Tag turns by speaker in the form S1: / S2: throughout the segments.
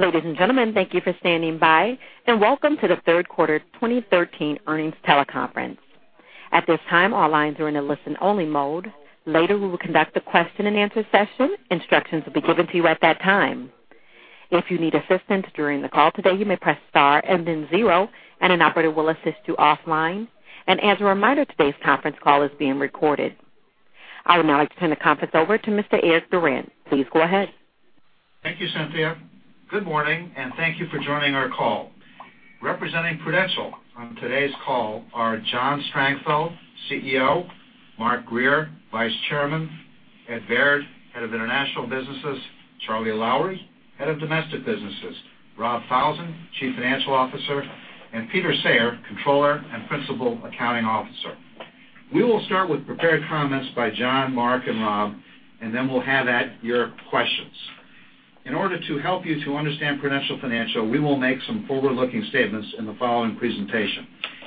S1: Ladies and gentlemen, thank you for standing by, and welcome to the third quarter 2013 earnings teleconference. At this time, all lines are in a listen-only mode. Later, we will conduct a question-and-answer session. Instructions will be given to you at that time. If you need assistance during the call today, you may press star and then zero, and an operator will assist you offline. As a reminder, today's conference call is being recorded. I would now like to turn the conference over to Mr. Eric Durant. Please go ahead.
S2: Thank you, Cynthia. Good morning, thank you for joining our call. Representing Prudential on today's call are John Strangfeld, CEO; Mark Grier, Vice Chairman; Ed Baird, Head of International Businesses; Charlie Lowrey, Head of Domestic Businesses; Rob Falzon, Chief Financial Officer; and Peter Sayre, Controller and Principal Accounting Officer. We will start with prepared comments by John, Mark, and Rob, then we'll have at your questions. In order to help you to understand Prudential Financial, we will make some forward-looking statements in the following presentation.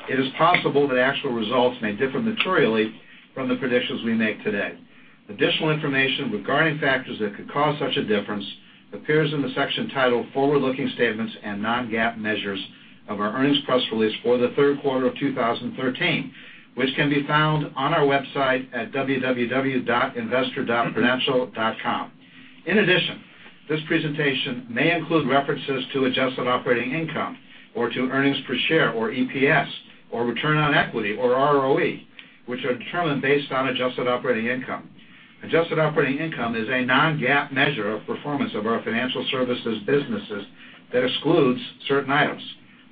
S2: It is possible that actual results may differ materially from the predictions we make today. Additional information regarding factors that could cause such a difference appears in the section titled Forward-Looking Statements and Non-GAAP Measures of our earnings press release for the third quarter of 2013, which can be found on our website at www.investor.prudential.com. This presentation may include references to adjusted operating income or to earnings per share, or EPS, or return on equity, or ROE, which are determined based on adjusted operating income. Adjusted operating income is a non-GAAP measure of performance of our financial services businesses that excludes certain items.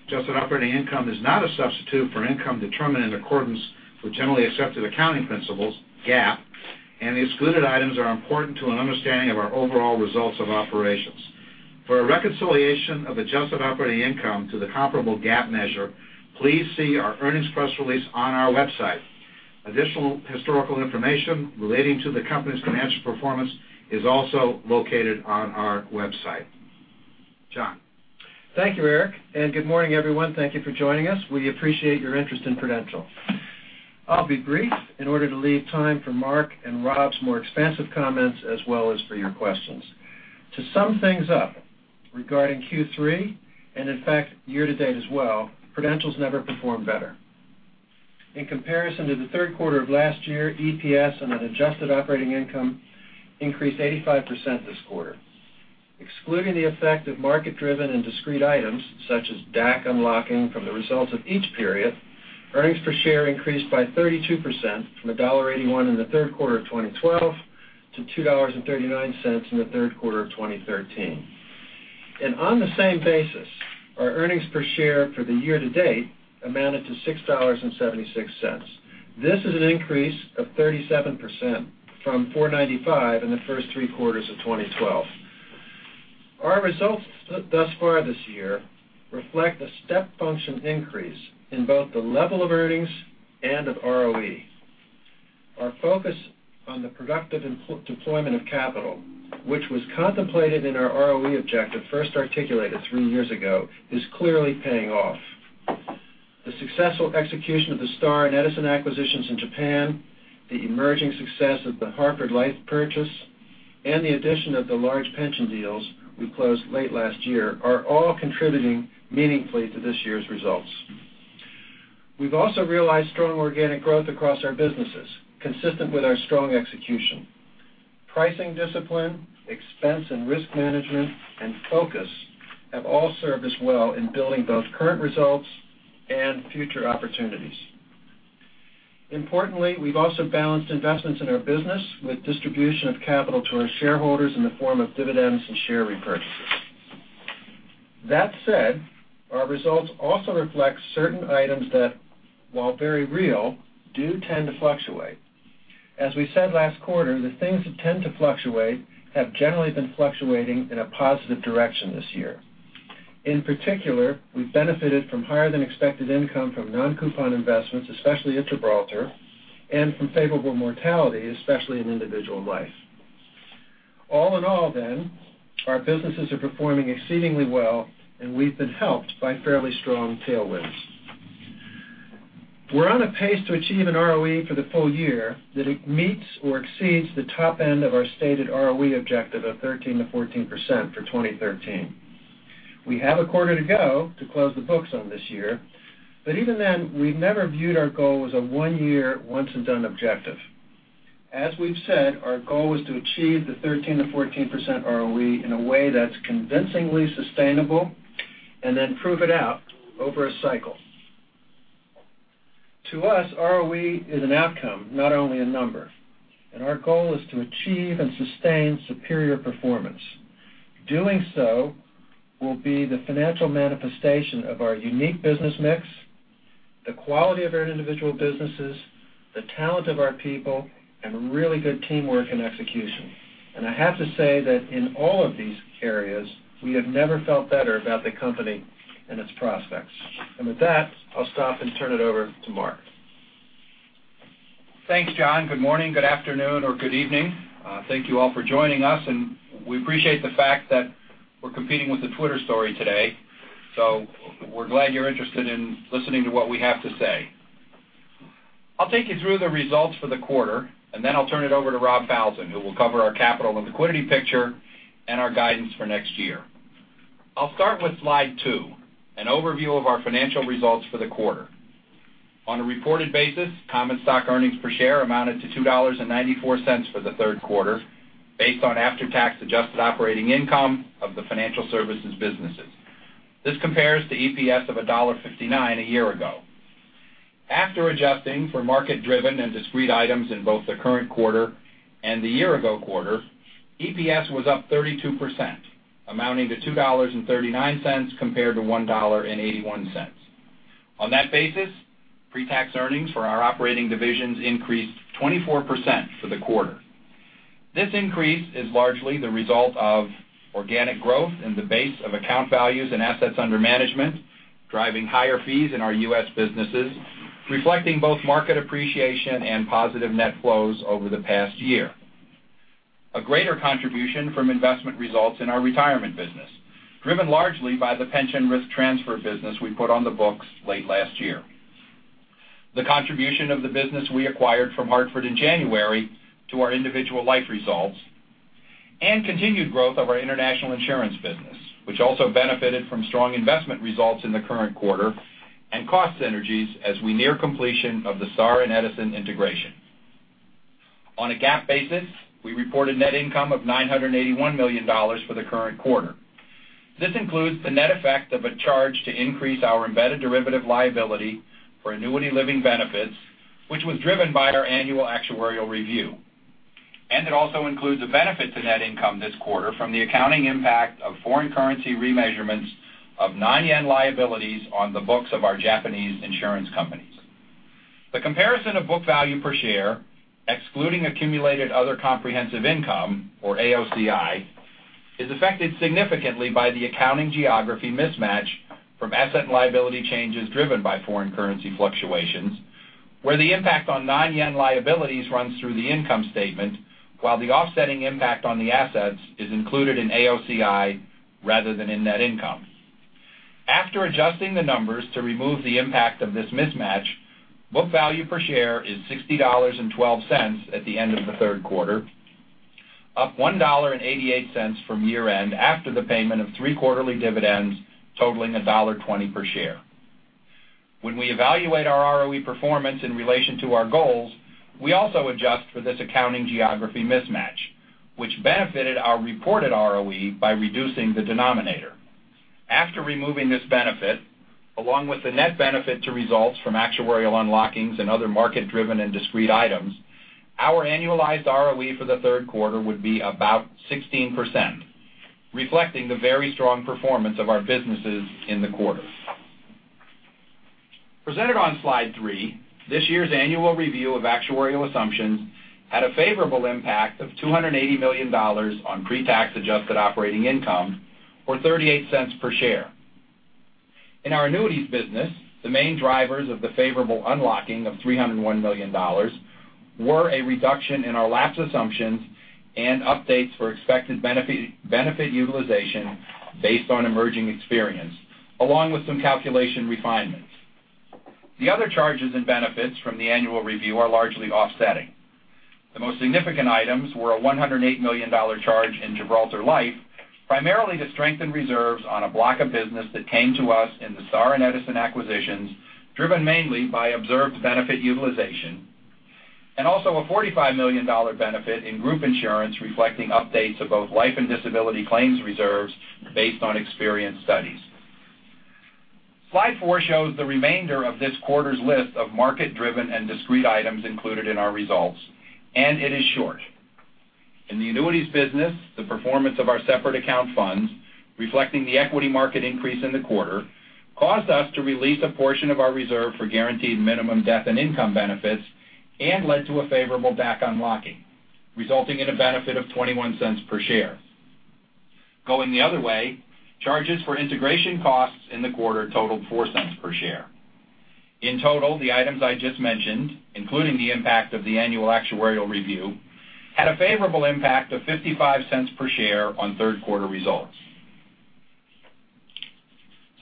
S2: Adjusted operating income is not a substitute for income determined in accordance with generally accepted accounting principles, GAAP, the excluded items are important to an understanding of our overall results of operations. For a reconciliation of adjusted operating income to the comparable GAAP measure, please see our earnings press release on our website. Additional historical information relating to the company's financial performance is also located on our website. John.
S3: Thank you, Eric, good morning, everyone. Thank you for joining us. We appreciate your interest in Prudential. I'll be brief in order to leave time for Mark and Rob's more expansive comments, as well as for your questions. To sum things up regarding Q3 and in fact year-to-date as well, Prudential's never performed better. In comparison to the third quarter of last year, EPS on an adjusted operating income increased 85% this quarter. Excluding the effect of market-driven and discrete items such as DAC unlocking from the results of each period, earnings per share increased by 32% from $1.81 in the third quarter of 2012 to $2.39 in the third quarter of 2013. On the same basis, our earnings per share for the year-to-date amounted to $6.76. This is an increase of 37% from $4.95 in the first three quarters of 2012. Our results thus far this year reflect a step function increase in both the level of earnings and of ROE. Our focus on the productive deployment of capital, which was contemplated in our ROE objective first articulated three years ago, is clearly paying off. The successful execution of the Star and Edison acquisitions in Japan, the emerging success of the Hartford Life purchase, and the addition of the large pension deals we closed late last year, are all contributing meaningfully to this year's results. We've also realized strong organic growth across our businesses, consistent with our strong execution. Pricing discipline, expense and risk management, and focus have all served us well in building both current results and future opportunities. Importantly, we've also balanced investments in our business with distribution of capital to our shareholders in the form of dividends and share repurchases. That said, our results also reflect certain items that, while very real, do tend to fluctuate. As we said last quarter, the things that tend to fluctuate have generally been fluctuating in a positive direction this year. In particular, we've benefited from higher than expected income from non-coupon investments, especially at Gibraltar, and from favorable mortality, especially in individual life. All in all, our businesses are performing exceedingly well, and we've been helped by fairly strong tailwinds. We're on a pace to achieve an ROE for the full year that meets or exceeds the top end of our stated ROE objective of 13%-14% for 2013. We have a quarter to go to close the books on this year, but even then, we never viewed our goal as a one-year, once-and-done objective. As we've said, our goal was to achieve the 13%-14% ROE in a way that's convincingly sustainable and then prove it out over a cycle. To us, ROE is an outcome, not only a number. Our goal is to achieve and sustain superior performance. Doing so will be the financial manifestation of our unique business mix, the quality of our individual businesses, the talent of our people, and really good teamwork and execution. I have to say that in all of these areas, we have never felt better about the company and its prospects. With that, I'll stop and turn it over to Mark.
S4: Thanks, John. Good morning, good afternoon, or good evening. Thank you all for joining us. We appreciate the fact that we're competing with the Twitter story today, so we're glad you're interested in listening to what we have to say. I'll take you through the results for the quarter. Then I'll turn it over to Rob Falzon, who will cover our capital and liquidity picture and our guidance for next year. I'll start with slide two, an overview of our financial results for the quarter. On a reported basis, common stock earnings per share amounted to $2.94 for the third quarter, based on after-tax adjusted operating income of the financial services businesses. This compares to EPS of $1.59 a year ago. After adjusting for market-driven and discrete items in both the current quarter and the year-ago quarter, EPS was up 32%, amounting to $2.39 compared to $1.81. On that basis, pre-tax earnings for our operating divisions increased 24% for the quarter. This increase is largely the result of organic growth in the base of account values and assets under management, driving higher fees in our U.S. businesses, reflecting both market appreciation and positive net flows over the past year. A greater contribution from investment results in our retirement business, driven largely by the pension risk transfer business we put on the books late last year. The contribution of the business we acquired from Hartford in January to our individual life results, and continued growth of our international insurance business, which also benefited from strong investment results in the current quarter and cost synergies as we near completion of the Star and Edison integration. On a GAAP basis, we reported net income of $981 million for the current quarter. This includes the net effect of a charge to increase our embedded derivative liability for annuity living benefits, which was driven by our annual actuarial review. It also includes a benefit to net income this quarter from the accounting impact of foreign currency remeasurements of non-yen liabilities on the books of our Japanese insurance companies. The comparison of book value per share, excluding accumulated other comprehensive income, or AOCI, is affected significantly by the accounting geography mismatch from asset and liability changes driven by foreign currency fluctuations, where the impact on non-yen liabilities runs through the income statement, while the offsetting impact on the assets is included in AOCI rather than in net income. After adjusting the numbers to remove the impact of this mismatch, book value per share is $60.12 at the end of the third quarter, up $1.88 from year-end after the payment of three quarterly dividends totaling $1.20 per share. When we evaluate our ROE performance in relation to our goals, we also adjust for this accounting geography mismatch, which benefited our reported ROE by reducing the denominator. After removing this benefit, along with the net benefit to results from actuarial unlockings and other market-driven and discrete items, our annualized ROE for the third quarter would be about 16%, reflecting the very strong performance of our businesses in the quarter. Presented on slide three, this year's annual review of actuarial assumptions had a favorable impact of $280 million on pre-tax adjusted operating income or $0.38 per share. In our annuities business, the main drivers of the favorable unlocking of $301 million were a reduction in our lapse assumptions and updates for expected benefit utilization based on emerging experience, along with some calculation refinements. The other charges and benefits from the annual review are largely offsetting. The most significant items were a $108 million charge in Gibraltar Life, primarily to strengthen reserves on a block of business that came to us in the Star and Edison acquisitions, driven mainly by observed benefit utilization, and also a $45 million benefit in group insurance reflecting updates of both life and disability claims reserves based on experience studies. Slide four shows the remainder of this quarter's list of market-driven and discrete items included in our results, it is short. In the annuities business, the performance of our separate account funds, reflecting the equity market increase in the quarter, caused us to release a portion of our reserve for guaranteed minimum death and income benefits and led to a favorable DAC unlocking, resulting in a benefit of $0.21 per share. Going the other way, charges for integration costs in the quarter totaled $0.04 per share. In total, the items I just mentioned, including the impact of the annual actuarial review, had a favorable impact of $0.55 per share on third-quarter results.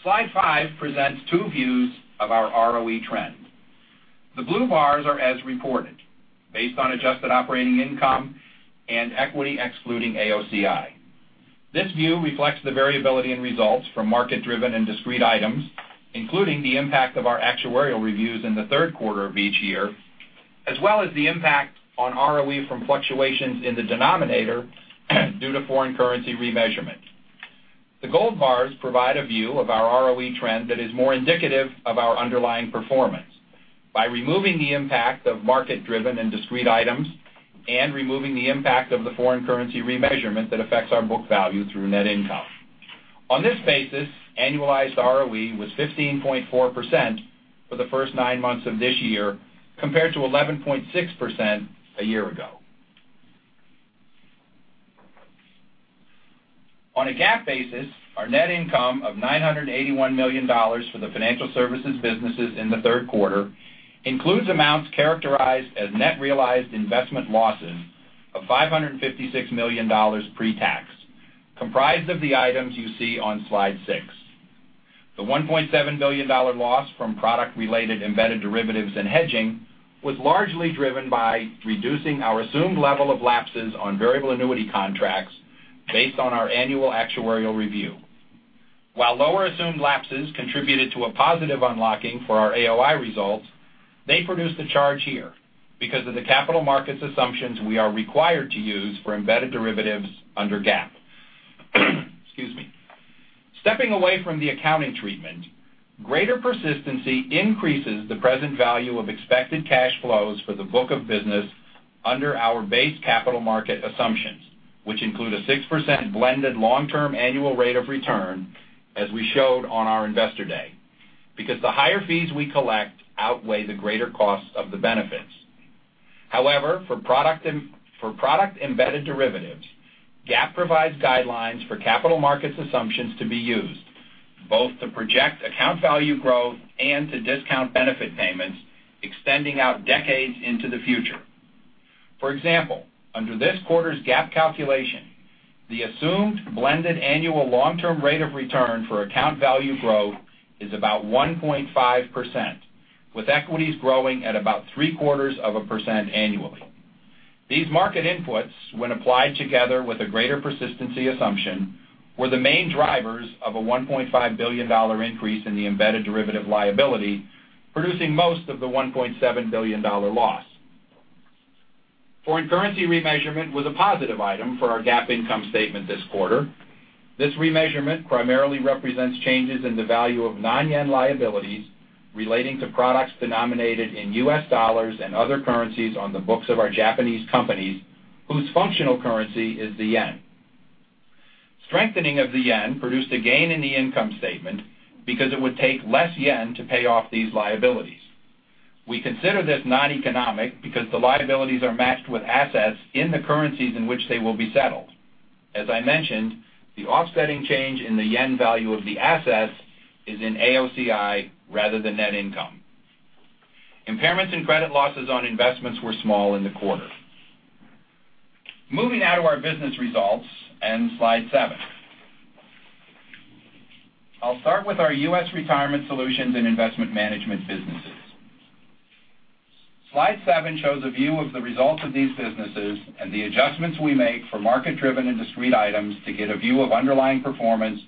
S4: Slide five presents two views of our ROE trend. The blue bars are as reported, based on adjusted operating income and equity excluding AOCI. This view reflects the variability in results from market-driven and discrete items, including the impact of our actuarial reviews in the third quarter of each year, as well as the impact on ROE from fluctuations in the denominator due to foreign currency remeasurement. The gold bars provide a view of our ROE trend that is more indicative of our underlying performance by removing the impact of market-driven and discrete items and removing the impact of the foreign currency remeasurement that affects our book value through net income. On this basis, annualized ROE was 15.4% for the first nine months of this year, compared to 11.6% a year ago. On a GAAP basis, our net income of $981 million for the financial services businesses in the third quarter includes amounts characterized as net realized investment losses of $556 million pre-tax, comprised of the items you see on slide six. The $1.7 billion loss from product-related embedded derivatives and hedging was largely driven by reducing our assumed level of lapses on variable annuity contracts based on our annual actuarial review. While lower assumed lapses contributed to a positive unlocking for our AOI results, they produced a charge here because of the capital markets assumptions we are required to use for embedded derivatives under GAAP. Excuse me. Stepping away from the accounting treatment, greater persistency increases the present value of expected cash flows for the book of business under our base capital market assumptions, which include a 6% blended long-term annual rate of return, as we showed on our Investor Day. The higher fees we collect outweigh the greater costs of the benefits. However, for product-embedded derivatives, GAAP provides guidelines for capital markets assumptions to be used, both to project account value growth and to discount benefit payments extending out decades into the future. For example, under this quarter's GAAP calculation, the assumed blended annual long-term rate of return for account value growth is about 1.5%, with equities growing at about three-quarters of a % annually. These market inputs, when applied together with a greater persistency assumption, were the main drivers of a $1.5 billion increase in the embedded derivative liability, producing most of the $1.7 billion loss. Foreign currency remeasurement was a positive item for our GAAP income statement this quarter. This remeasurement primarily represents changes in the value of non-yen liabilities relating to products denominated in US dollars and other currencies on the books of our Japanese companies, whose functional currency is the yen. Strengthening of the yen produced a gain in the income statement because it would take less yen to pay off these liabilities. We consider this non-economic because the liabilities are matched with assets in the currencies in which they will be settled. As I mentioned, the offsetting change in the yen value of the assets is in AOCI rather than net income. Impairments and credit losses on investments were small in the quarter. Moving now to our business results and slide seven. I'll start with our U.S. retirement solutions and investment management businesses. Slide seven shows a view of the results of these businesses and the adjustments we make for market-driven and discrete items to get a view of underlying performance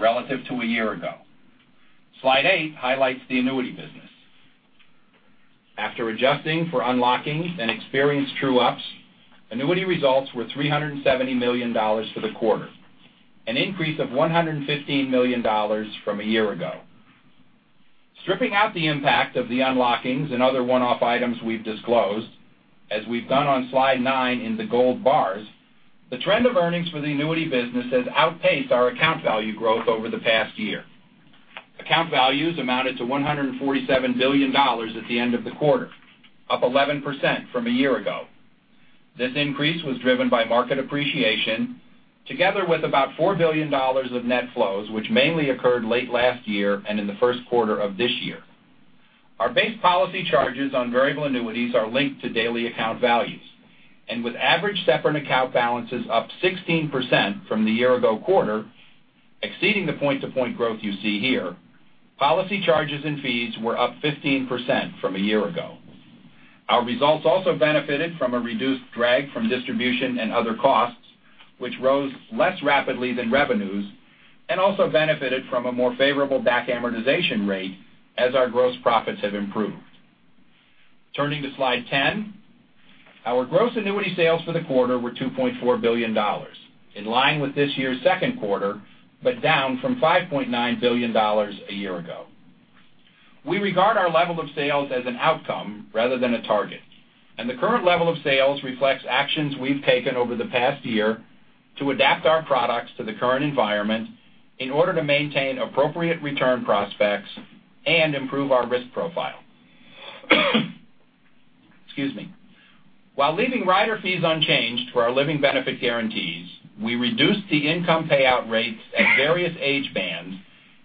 S4: relative to a year ago. Slide eight highlights the annuity business. After adjusting for unlockings and experience true-ups, annuity results were $370 million for the quarter, an increase of $115 million from a year ago. Stripping out the impact of the unlockings and other one-off items we've disclosed, as we've done on slide nine in the gold bars, the trend of earnings for the annuity business has outpaced our account value growth over the past year. Account values amounted to $147 billion at the end of the quarter, up 11% from a year ago. This increase was driven by market appreciation, together with about $4 billion of net flows, which mainly occurred late last year and in the first quarter of this year. Our base policy charges on variable annuities are linked to daily account values, with average separate account balances up 16% from the year ago quarter, exceeding the point-to-point growth you see here, policy charges and fees were up 15% from a year ago. Our results also benefited from a reduced drag from distribution and other costs, which rose less rapidly than revenues, and also benefited from a more favorable back amortization rate as our gross profits have improved. Turning to slide 10, our gross annuity sales for the quarter were $2.4 billion, in line with this year's second quarter, but down from $5.9 billion a year ago. We regard our level of sales as an outcome rather than a target. The current level of sales reflects actions we've taken over the past year to adapt our products to the current environment in order to maintain appropriate return prospects and improve our risk profile. Excuse me. While leaving rider fees unchanged for our living benefit guarantees, we reduced the income payout rates at various age bands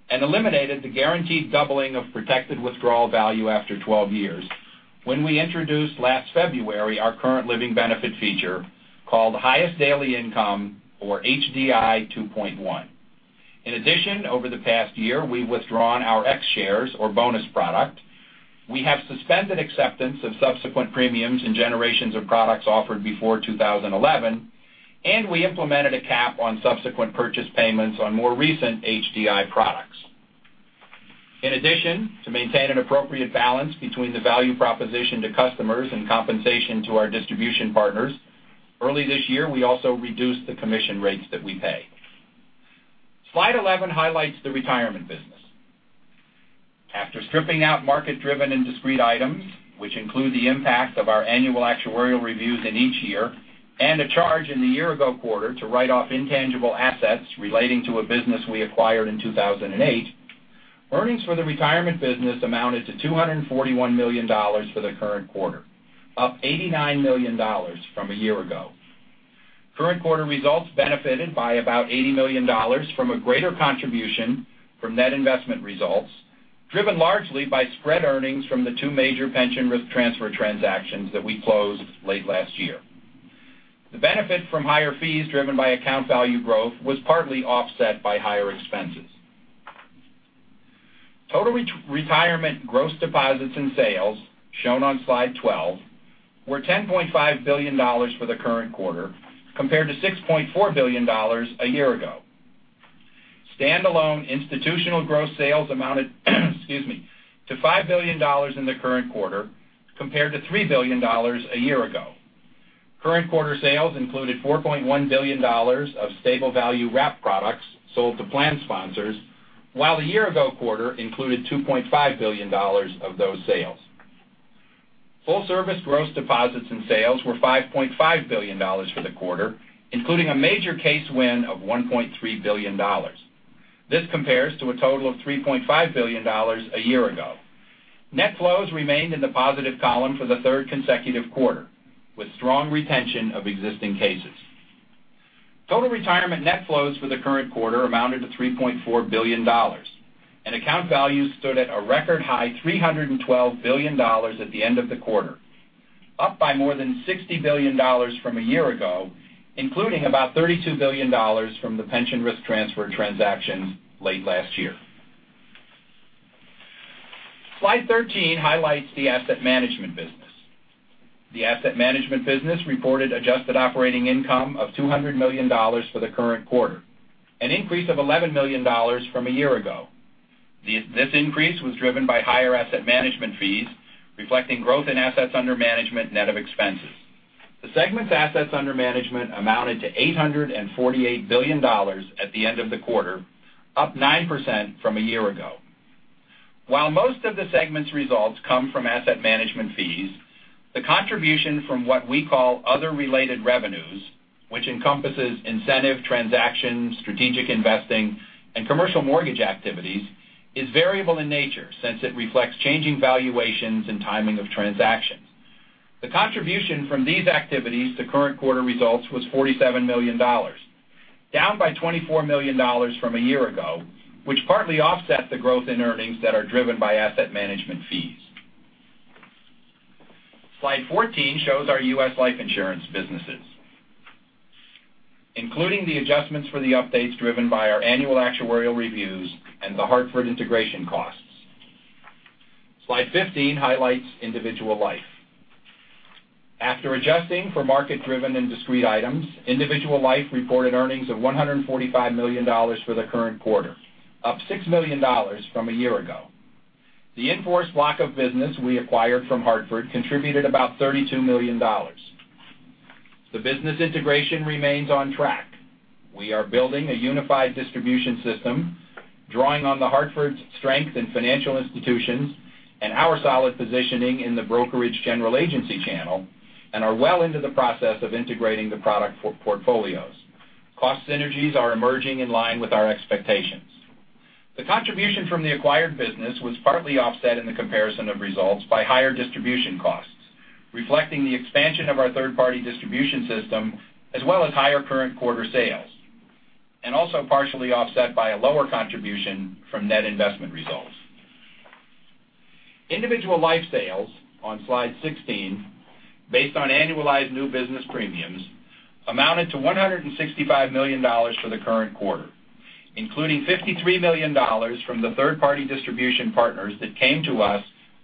S4: and eliminated the guaranteed doubling of protected withdrawal value after 12 years when we introduced last February our current living benefit feature called Highest Daily Income or HDI 2.1. Over the past year, we've withdrawn our X shares or bonus product. We have suspended acceptance of subsequent premiums and generations of products offered before 2011, and we implemented a cap on subsequent purchase payments on more recent HDI products. To maintain an appropriate balance between the value proposition to customers and compensation to our distribution partners, early this year, we also reduced the commission rates that we pay. Slide 11 highlights the retirement business. After stripping out market-driven and discrete items, which include the impact of our annual actuarial reviews in each year and a charge in the year-ago quarter to write off intangible assets relating to a business we acquired in 2008, earnings for the retirement business amounted to $241 million for the current quarter, up $89 million from a year ago. Current quarter results benefited by about $80 million from a greater contribution from net investment results, driven largely by spread earnings from the two major pension risk transfer transactions that we closed late last year. The benefit from higher fees driven by account value growth was partly offset by higher expenses. Total retirement gross deposits and sales, shown on slide 12, were $10.5 billion for the current quarter, compared to $6.4 billion a year ago. Standalone institutional gross sales amounted to $5 billion in the current quarter compared to $3 billion a year ago. Current quarter sales included $4.1 billion of stable value wrap products sold to plan sponsors, while the year ago quarter included $2.5 billion of those sales. Full service gross deposits and sales were $5.5 billion for the quarter, including a major case win of $1.3 billion. This compares to a total of $3.5 billion a year ago. Net flows remained in the positive column for the third consecutive quarter, with strong retention of existing cases. Total retirement net flows for the current quarter amounted to $3.4 billion. Account values stood at a record high $312 billion at the end of the quarter, up by more than $60 billion from a year ago, including about $32 billion from the pension risk transfer transaction late last year. Slide 13 highlights the asset management business. The asset management business reported adjusted operating income of $200 million for the current quarter, an increase of $11 million from a year ago. This increase was driven by higher asset management fees, reflecting growth in assets under management net of expenses. The segment's assets under management amounted to $848 billion at the end of the quarter, up 9% from a year ago. While most of the segment's results come from asset management fees, the contribution from what we call other related revenues, which encompasses incentive transactions, strategic investing, and commercial mortgage activities, is variable in nature, since it reflects changing valuations and timing of transactions. The contribution from these activities to current quarter results was $47 million, down by $24 million from a year ago, which partly offset the growth in earnings that are driven by asset management fees. Slide 14 shows our U.S. life insurance businesses, including the adjustments for the updates driven by our annual actuarial reviews and The Hartford integration costs. Slide 15 highlights individual life. After adjusting for market-driven and discrete items, individual life reported earnings of $145 million for the current quarter, up $6 million from a year ago. The in-force block of business we acquired from The Hartford contributed about $32 million. The business integration remains on track. We are building a unified distribution system, drawing on The Hartford's strength in financial institutions and our solid positioning in the brokerage general agency channel, and are well into the process of integrating the product portfolios. Cost synergies are emerging in line with our expectations. The contribution from the acquired business was partly offset in the comparison of results by higher distribution costs, reflecting the expansion of our third-party distribution system, as well as higher current quarter sales, and also partially offset by a lower contribution from net investment results. Individual life sales on slide 16, based on annualized new business premiums, amounted to $165 million for the current quarter, including $53 million from the third-party distribution partners that came to us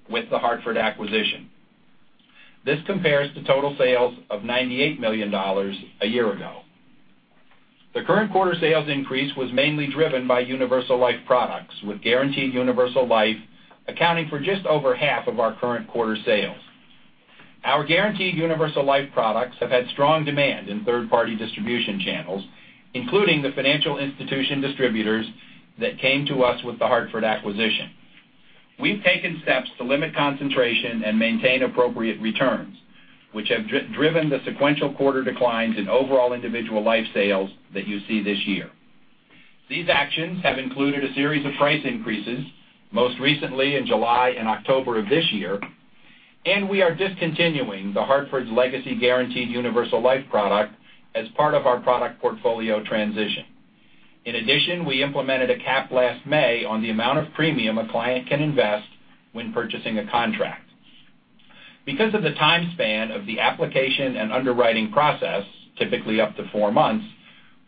S4: with The Hartford acquisition. This compares to total sales of $98 million a year ago. The current quarter sales increase was mainly driven by universal life products, with guaranteed universal life accounting for just over half of our current quarter sales. Our guaranteed universal life products have had strong demand in third-party distribution channels, including the financial institution distributors that came to us with The Hartford acquisition. We've taken steps to limit concentration and maintain appropriate returns, which have driven the sequential quarter declines in overall individual life sales that you see this year. These actions have included a series of price increases, most recently in July and October of this year, and we are discontinuing The Hartford's legacy guaranteed universal life product as part of our product portfolio transition. In addition, we implemented a cap last May on the amount of premium a client can invest when purchasing a contract. Because of the time span of the application and underwriting process, typically up to four months,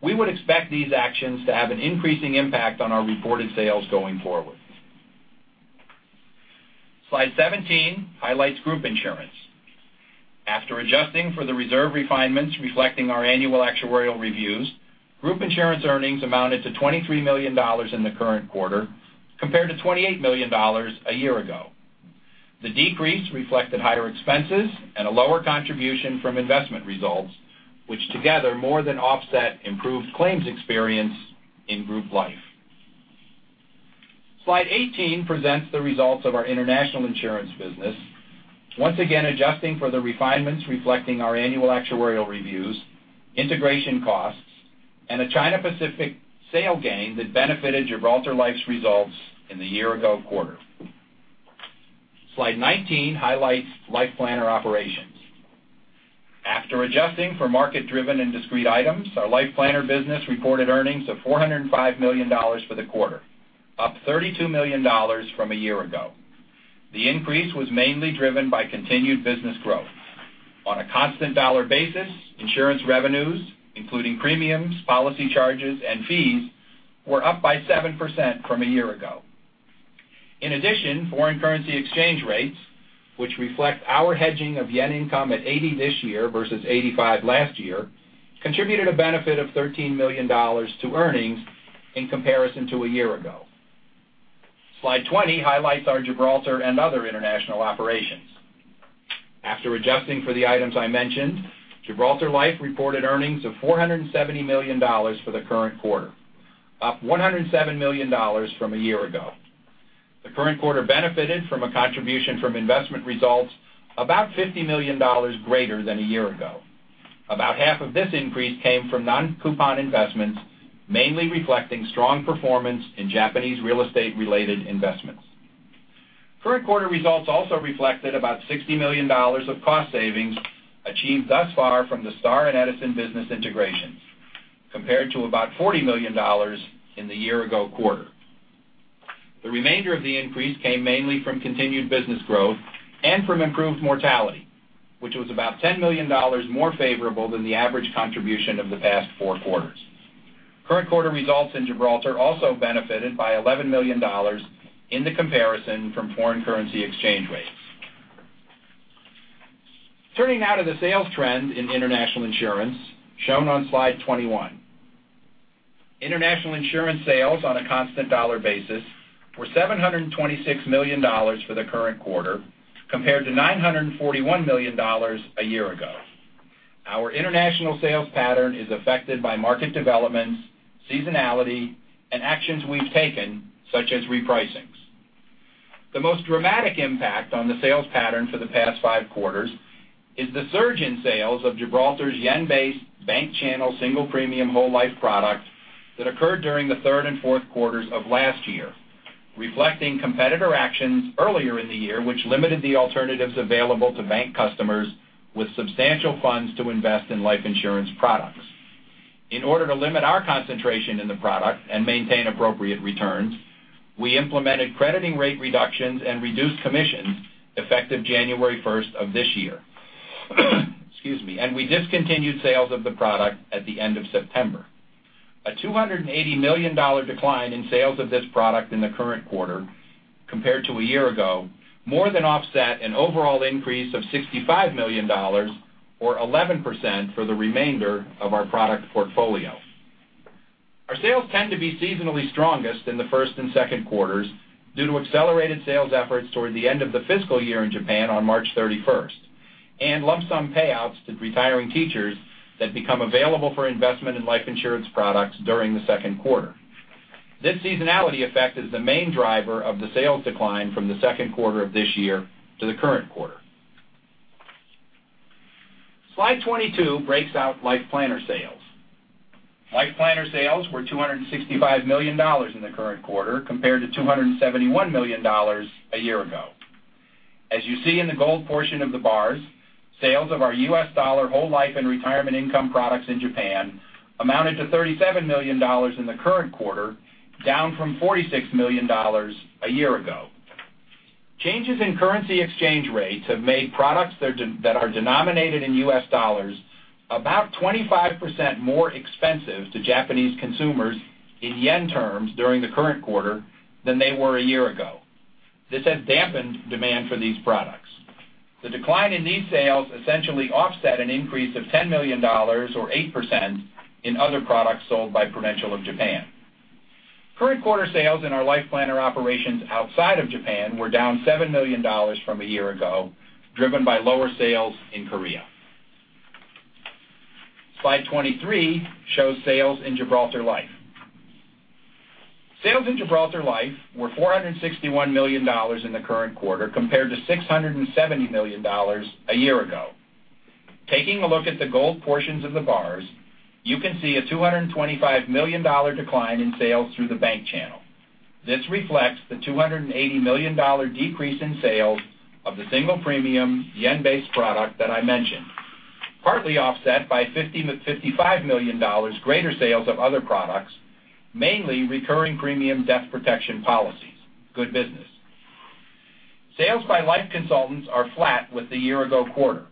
S4: we would expect these actions to have an increasing impact on our reported sales going forward. Slide 17 highlights group insurance. After adjusting for the reserve refinements reflecting our annual actuarial reviews, group insurance earnings amounted to $23 million in the current quarter, compared to $28 million a year ago. The decrease reflected higher expenses and a lower contribution from investment results, which together more than offset improved claims experience in group life. Slide 18 presents the results of our international insurance business, once again adjusting for the refinements reflecting our annual actuarial reviews, integration costs, and a China Pacific sale gain that benefited Gibraltar Life's results in the year-ago quarter. Slide 19 highlights Life Planner operations. After adjusting for market-driven and discrete items, our LifePlanner business reported earnings of $405 million for the quarter, up $32 million from a year ago. The increase was mainly driven by continued business growth. On a constant dollar basis, insurance revenues, including premiums, policy charges, and fees were up by 7% from a year ago. In addition, foreign currency exchange rates, which reflect our hedging of JPY income at 80 this year versus 85 last year, contributed a benefit of $13 million to earnings in comparison to a year ago. Slide 20 highlights our Gibraltar and other international operations. After adjusting for the items I mentioned, Gibraltar Life reported earnings of $470 million for the current quarter, up $107 million from a year ago. The current quarter benefited from a contribution from investment results about $50 million greater than a year ago. About half of this increase came from non-coupon investments, mainly reflecting strong performance in Japanese real estate-related investments. Current quarter results also reflected about $60 million of cost savings achieved thus far from the Star and Edison business integrations, compared to about $40 million in the year ago quarter. The remainder of the increase came mainly from continued business growth and from improved mortality, which was about $10 million more favorable than the average contribution of the past four quarters. Current quarter results in Gibraltar also benefited by $11 million in the comparison from foreign currency exchange rates. Turning now to the sales trend in international insurance, shown on slide 21. International insurance sales on a constant dollar basis were $726 million for the current quarter, compared to $941 million a year ago. Our international sales pattern is affected by market developments, seasonality, and actions we've taken, such as repricings. The most dramatic impact on the sales pattern for the past five quarters is the surge in sales of Gibraltar's JPY-based bank channel single premium whole life product that occurred during the third and fourth quarters of last year, reflecting competitor actions earlier in the year, which limited the alternatives available to bank customers with substantial funds to invest in life insurance products. In order to limit our concentration in the product and maintain appropriate returns, we implemented crediting rate reductions and reduced commissions effective January 1st of this year. Excuse me. We discontinued sales of the product at the end of September. A $280 million decline in sales of this product in the current quarter compared to a year ago more than offset an overall increase of $65 million, or 11%, for the remainder of our product portfolio. Our sales tend to be seasonally strongest in the first and second quarters due to accelerated sales efforts toward the end of the fiscal year in Japan on March 31st, and lump sum payouts to retiring teachers that become available for investment in life insurance products during the second quarter. This seasonality effect is the main driver of the sales decline from the second quarter of this year to the current quarter. Slide 22 breaks out LifePlanner sales. LifePlanner sales were $265 million in the current quarter compared to $271 million a year ago. As you see in the gold portion of the bars, sales of our U.S. dollar whole life and retirement income products in Japan amounted to $37 million in the current quarter, down from $46 million a year ago. Changes in currency exchange rates have made products that are denominated in US dollars about 25% more expensive to Japanese consumers in yen terms during the current quarter than they were a year ago. This has dampened demand for these products. The decline in these sales essentially offset an increase of $10 million, or 8%, in other products sold by Prudential of Japan. Current quarter sales in our LifePlanner operations outside of Japan were down $7 million from a year ago, driven by lower sales in Korea. Slide 23 shows sales in Gibraltar Life. Sales in Gibraltar Life were $461 million in the current quarter compared to $670 million a year ago. Taking a look at the gold portions of the bars, you can see a $225 million decline in sales through the bank channel. This reflects the $280 million decrease in sales of the single premium yen-based product that I mentioned, partly offset by $55 million greater sales of other products, mainly recurring premium death protection policies. Good business. Sales by life consultants are flat with the year ago quarter.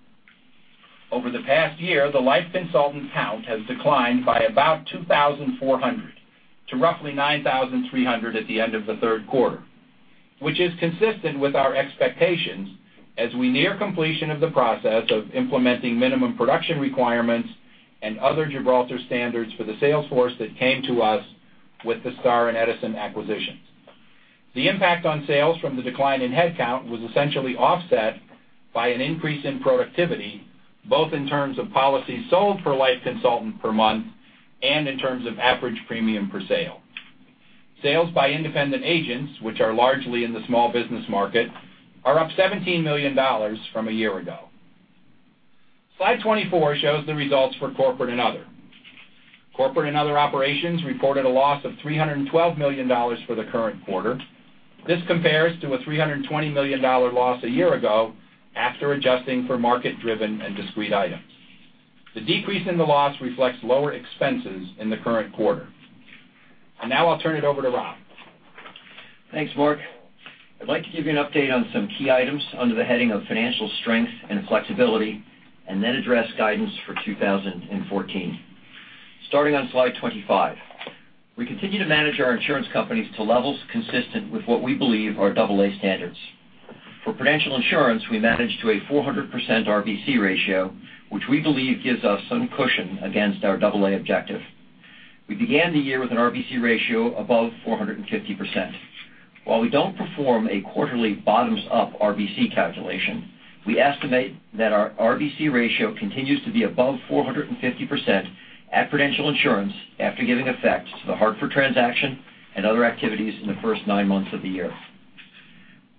S4: Over the past year, the life consultant count has declined by about 2,400 to roughly 9,300 at the end of the third quarter, which is consistent with our expectations as we near completion of the process of implementing minimum production requirements and other Gibraltar standards for the sales force that came to us with the Star and Edison acquisitions. The impact on sales from the decline in headcount was essentially offset by an increase in productivity, both in terms of policies sold per life consultant per month and in terms of average premium per sale. Sales by independent agents, which are largely in the small business market, are up $17 million from a year ago. Slide 24 shows the results for corporate and other. Corporate and other operations reported a loss of $312 million for the current quarter. This compares to a $320 million loss a year ago after adjusting for market-driven and discrete items. The decrease in the loss reflects lower expenses in the current quarter. Now I'll turn it over to Rob.
S5: Thanks, Mark. I'd like to give you an update on some key items under the heading of financial strength and flexibility, and then address guidance for 2014. Starting on slide 25. We continue to manage our insurance companies to levels consistent with what we believe are double A standards. For Prudential Insurance, we manage to a 400% RBC ratio, which we believe gives us some cushion against our double A objective. We began the year with an RBC ratio above 450%. While we don't perform a quarterly bottoms-up RBC calculation, we estimate that our RBC ratio continues to be above 450% at Prudential Insurance after giving effect to the Hartford transaction and other activities in the first 9 months of the year.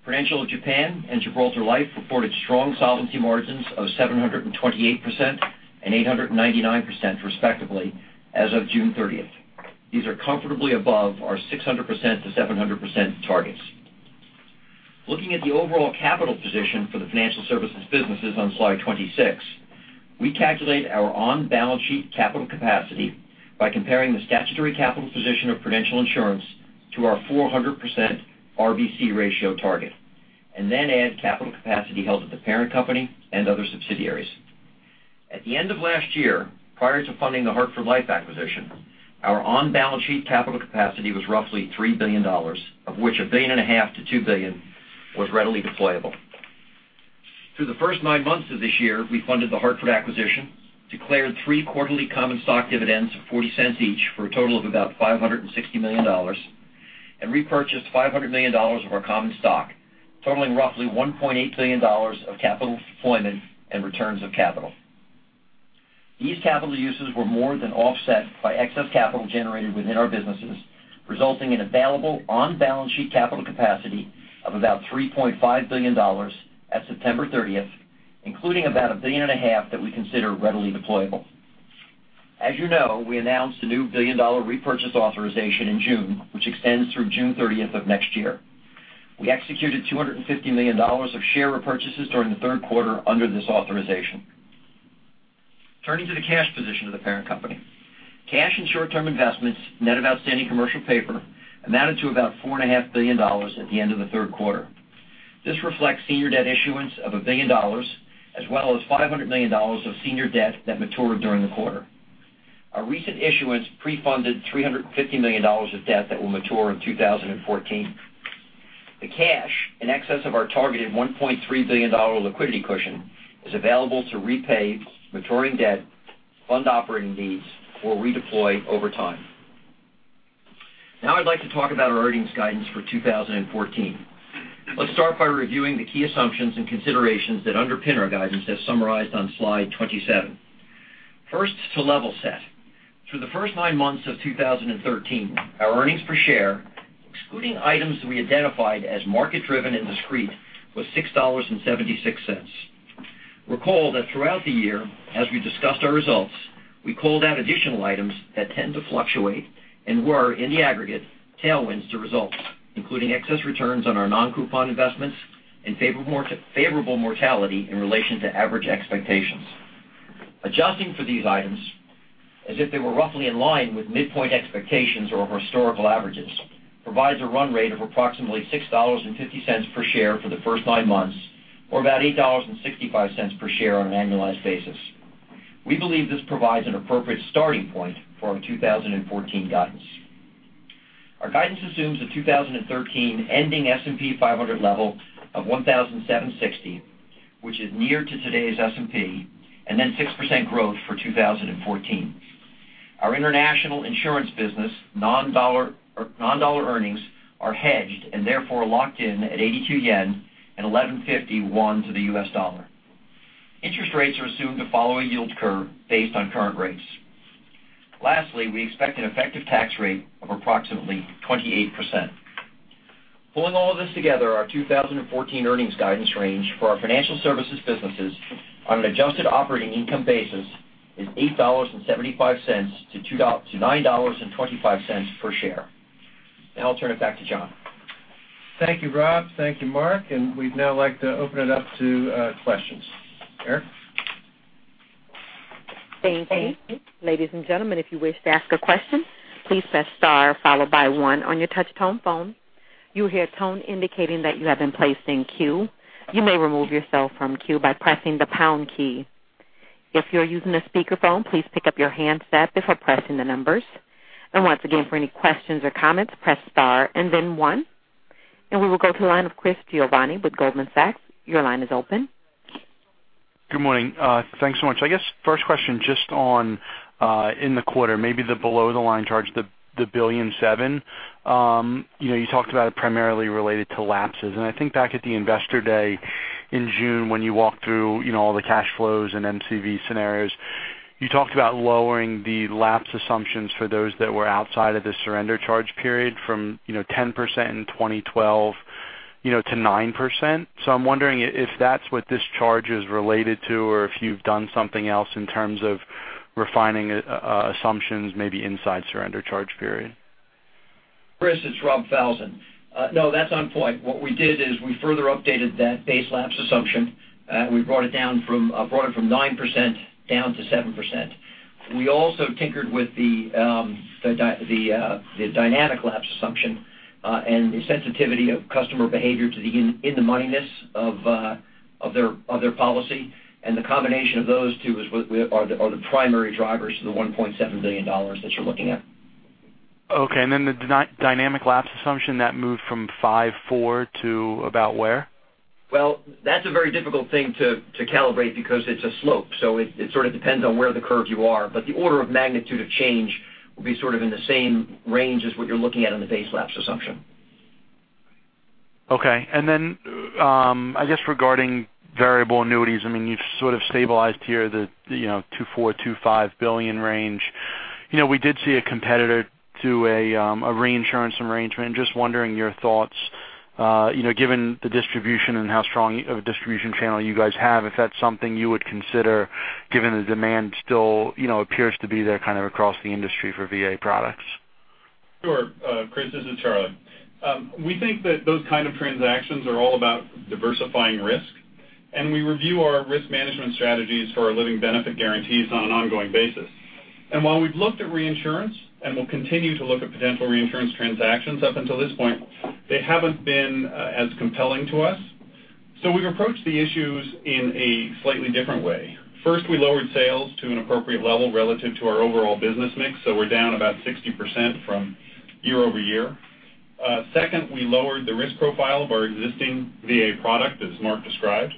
S5: Prudential Japan and Gibraltar Life reported strong solvency margins of 728% and 899%, respectively, as of June 30th. These are comfortably above our 600%-700% targets. Looking at the overall capital position for the financial services businesses on slide 26, we calculate our on-balance sheet capital capacity by comparing the statutory capital position of Prudential Insurance to our 400% RBC ratio target, and then add capital capacity held at the parent company and other subsidiaries. At the end of last year, prior to funding the Hartford Life acquisition, our on-balance sheet capital capacity was roughly $3 billion, of which $1.5 billion-$2 billion was readily deployable. Through the first 9 months of this year, we funded the Hartford acquisition, declared three quarterly common stock dividends of $0.40 each for a total of about $560 million, and repurchased $500 million of our common stock, totaling roughly $1.8 billion of capital deployment and returns of capital. These capital uses were more than offset by excess capital generated within our businesses, resulting in available on-balance sheet capital capacity of about $3.5 billion as September 30th, including about $1.5 billion that we consider readily deployable. As you know, we announced a new billion-dollar repurchase authorization in June, which extends through June 30th of next year. We executed $250 million of share repurchases during the third quarter under this authorization. Turning to the cash position of the parent company. Cash and short-term investments, net of outstanding commercial paper, amounted to about $4.5 billion at the end of the third quarter. This reflects senior debt issuance of $1 billion, as well as $500 million of senior debt that matured during the quarter. Our recent issuance pre-funded $350 million of debt that will mature in 2014. The cash in excess of our targeted $1.3 billion liquidity cushion is available to repay maturing debt, fund operating needs, or redeploy over time. Now I'd like to talk about our earnings guidance for 2014. Let's start by reviewing the key assumptions and considerations that underpin our guidance as summarized on slide 27. First, to level set. Through the first 9 months of 2013, our earnings per share, excluding items we identified as market driven and discrete, was $6.76. Recall that throughout the year, as we discussed our results, we called out additional items that tend to fluctuate and were, in the aggregate, tailwinds to results, including excess returns on our non-coupon investments and favorable mortality in relation to average expectations. Adjusting for these items as if they were roughly in line with midpoint expectations or historical averages provides a run rate of approximately $6.50 per share for the first nine months or about $8.65 per share on an annualized basis. We believe this provides an appropriate starting point for our 2014 guidance. Our guidance assumes a 2013 ending S&P 500 level of 1,760, which is near to today's S&P, and then 6% growth for 2014. Our international insurance business non-dollar earnings are hedged and therefore locked in at 82 yen and 11.50 won to the US dollar. Interest rates are assumed to follow a yield curve based on current rates. Lastly, we expect an effective tax rate of approximately 28%. Pulling all of this together, our 2014 earnings guidance range for our financial services businesses on an adjusted operating income basis is $8.75-$9.25 per share. Now I'll turn it back to John.
S3: Thank you, Rob. Thank you, Mark. We'd now like to open it up to questions. Eric?
S1: Thank you. Ladies and gentlemen, if you wish to ask a question, please press star followed by 1 on your touch tone phone. You will hear a tone indicating that you have been placed in queue. You may remove yourself from queue by pressing the pound key. If you are using a speakerphone, please pick up your handset before pressing the numbers. Once again, for any questions or comments, press star and then 1. We will go to the line of Christopher Giovanni with Goldman Sachs. Your line is open.
S6: Good morning. Thanks so much. First question, just on in the quarter, maybe the below the line charge, the $1.7 billion. You talked about it primarily related to lapses. I think back at the Investor Day in June when you walked through all the cash flows and MCV scenarios, you talked about lowering the lapse assumptions for those that were outside of the surrender charge period from 10% in 2012 to 9%. I'm wondering if that's what this charge is related to or if you've done something else in terms of refining assumptions maybe inside surrender charge period.
S5: Chris, it's Rob Falzon. No, that's on point. What we did is we further updated that base lapse assumption. We brought it from 9% down to 7%. We also tinkered with the dynamic lapse assumption, the sensitivity of customer behavior to the in the moneyness of their policy. The combination of those two are the primary drivers to the $1.7 billion that you're looking at.
S6: Okay, the dynamic lapse assumption that moved from five, four to about where?
S5: Well, that's a very difficult thing to calibrate because it's a slope. It sort of depends on where the curve you are. The order of magnitude of change will be sort of in the same range as what you're looking at on the base lapse assumption.
S6: Okay. Regarding variable annuities, you've sort of stabilized here the $2.4 billion-$2.5 billion range. We did see a competitor do a reinsurance arrangement. Just wondering your thoughts, given the distribution and how strong of a distribution channel you guys have, if that's something you would consider given the demand still appears to be there kind of across the industry for VA products.
S7: Sure. Chris, this is Charlie. We think that those kind of transactions are all about diversifying risk. We review our risk management strategies for our living benefit guarantees on an ongoing basis. While we've looked at reinsurance and will continue to look at potential reinsurance transactions, up until this point, they haven't been as compelling to us. We've approached the issues in a slightly different way. First, we lowered sales to an appropriate level relative to our overall business mix. We're down about 60% from year-over-year. Second, we lowered the risk profile of our existing VA product, as Mark described.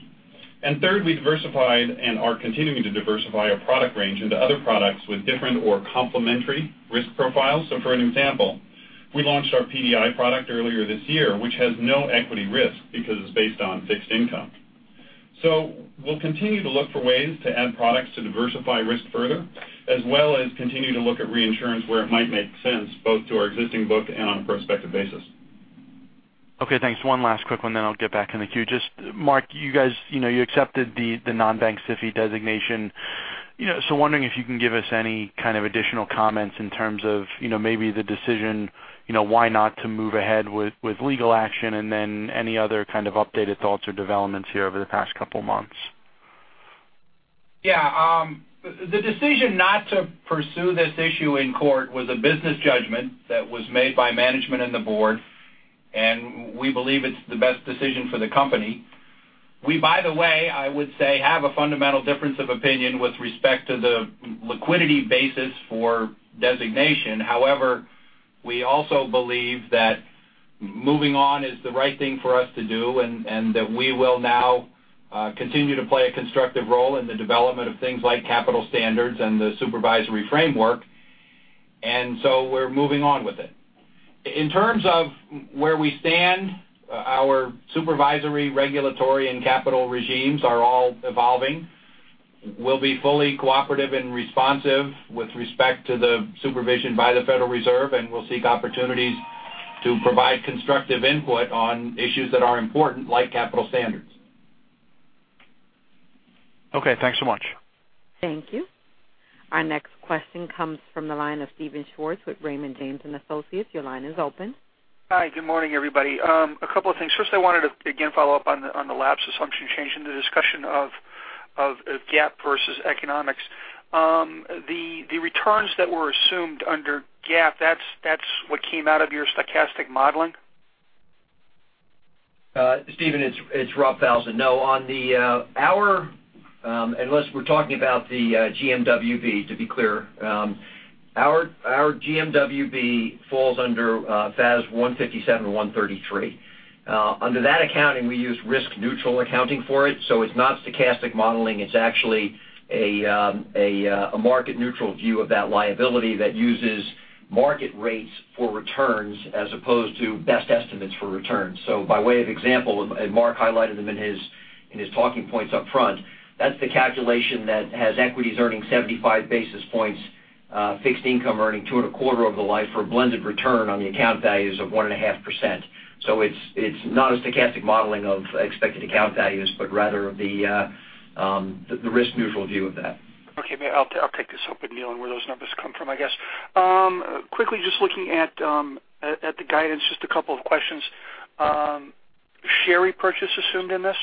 S7: Third, we diversified and are continuing to diversify our product range into other products with different or complementary risk profiles. For an example, we launched our PDI product earlier this year, which has no equity risk because it's based on fixed income. We'll continue to look for ways to add products to diversify risk further, as well as continue to look at reinsurance where it might make sense both to our existing book and on a prospective basis.
S6: Okay, thanks. One last quick one, then I'll get back in the queue. Mark, you accepted the non-bank SIFI designation. Wondering if you can give us any kind of additional comments in terms of maybe the decision, why not to move ahead with legal action then any other kind of updated thoughts or developments here over the past couple of months?
S4: Yeah. The decision not to pursue this issue in court was a business judgment that was made by management and the board, we believe it's the best decision for the company. We, by the way, I would say, have a fundamental difference of opinion with respect to the liquidity basis for designation. We also believe that moving on is the right thing for us to do, and that we will now continue to play a constructive role in the development of things like capital standards and the supervisory framework. We're moving on with it. In terms of where we stand, our supervisory, regulatory, and capital regimes are all evolving. We'll be fully cooperative and responsive with respect to the supervision by the Federal Reserve, and we'll seek opportunities to provide constructive input on issues that are important, like capital standards.
S6: Okay, thanks so much.
S1: Thank you. Our next question comes from the line of Steven Schwartz with Raymond James & Associates. Your line is open.
S8: Hi, good morning, everybody. A couple of things. First, I wanted to again follow up on the lapse assumption change and the discussion of GAAP versus economics. The returns that were assumed under GAAP, that's what came out of your stochastic modeling?
S5: Steven, it's Rob Falzon. No. Unless we're talking about the GMWB, to be clear, our GMWB falls under FAS 157 and 133. Under that accounting, we use risk neutral accounting for it. It's not stochastic modeling. It's actually a market neutral view of that liability that uses market rates for returns as opposed to best estimates for returns. By way of example, and Mark highlighted them in his talking points up front, that's the calculation that has equities earning 75 basis points, fixed income earning two and a quarter over the life for a blended return on the account values of 1.5%. It's not a stochastic modeling of expected account values, but rather the risk neutral view of that.
S8: Okay. I'll take this up with Neal on where those numbers come from, I guess. Quickly just looking at the guidance, just a couple of questions. Share repurchase assumed in this?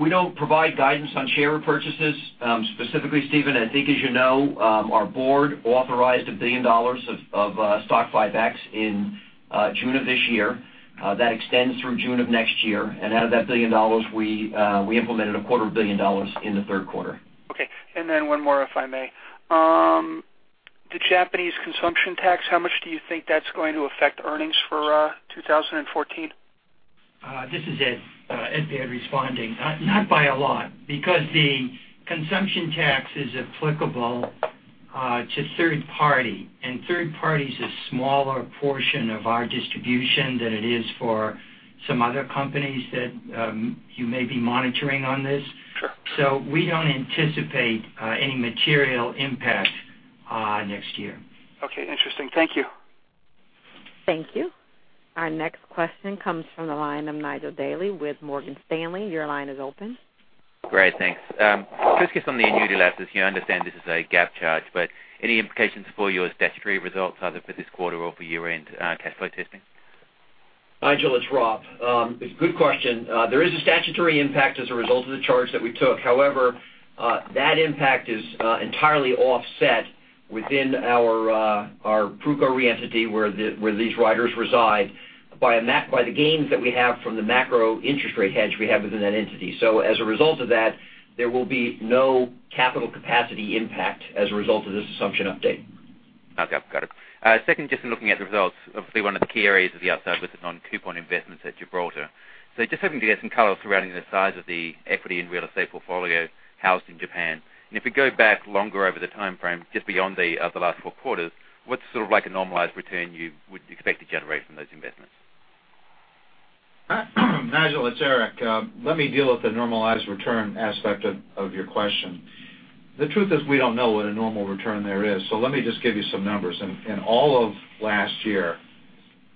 S5: We don't provide guidance on share repurchases specifically, Steven. I think as you know, our board authorized $1 billion of stock buybacks in June of this year. That extends through June of next year. Out of that billion dollars, we implemented a quarter billion dollars in the third quarter.
S8: Okay. One more, if I may. The Japanese consumption tax, how much do you think that's going to affect earnings for 2014?
S9: This is Ed Baird responding. Not by a lot because the consumption tax is applicable to third party, and third party is a smaller portion of our distribution than it is for some other companies that you may be monitoring on this. We don't anticipate any material impact next year.
S8: Okay, interesting. Thank you.
S1: Thank you. Our next question comes from the line of Nigel Dally with Morgan Stanley. Your line is open.
S10: Great, thanks. Just focus on the annuity lapses. I understand this is a GAAP charge, any implications for your statutory results, either for this quarter or for year-end cash flow testing?
S5: Nigel, it's Rob. Good question. There is a statutory impact as a result of the charge that we took. However, that impact is entirely offset within our Pruco Re entity, where these riders reside, by the gains that we have from the macro interest rate hedge we have within that entity. As a result of that, there will be no capital capacity impact as a result of this assumption update.
S10: Okay, got it. Second, just in looking at the results, obviously one of the key areas of the upside was the non-coupon investments at Gibraltar. Just hoping to get some color surrounding the size of the equity and real estate portfolio housed in Japan. If we go back longer over the time frame, just beyond the last four quarters, what's sort of like a normalized return you would expect to generate from those investments?
S2: Nigel, it's Eric. Let me deal with the normalized return aspect of your question. The truth is we don't know what a normal return there is, let me just give you some numbers. In all of last year,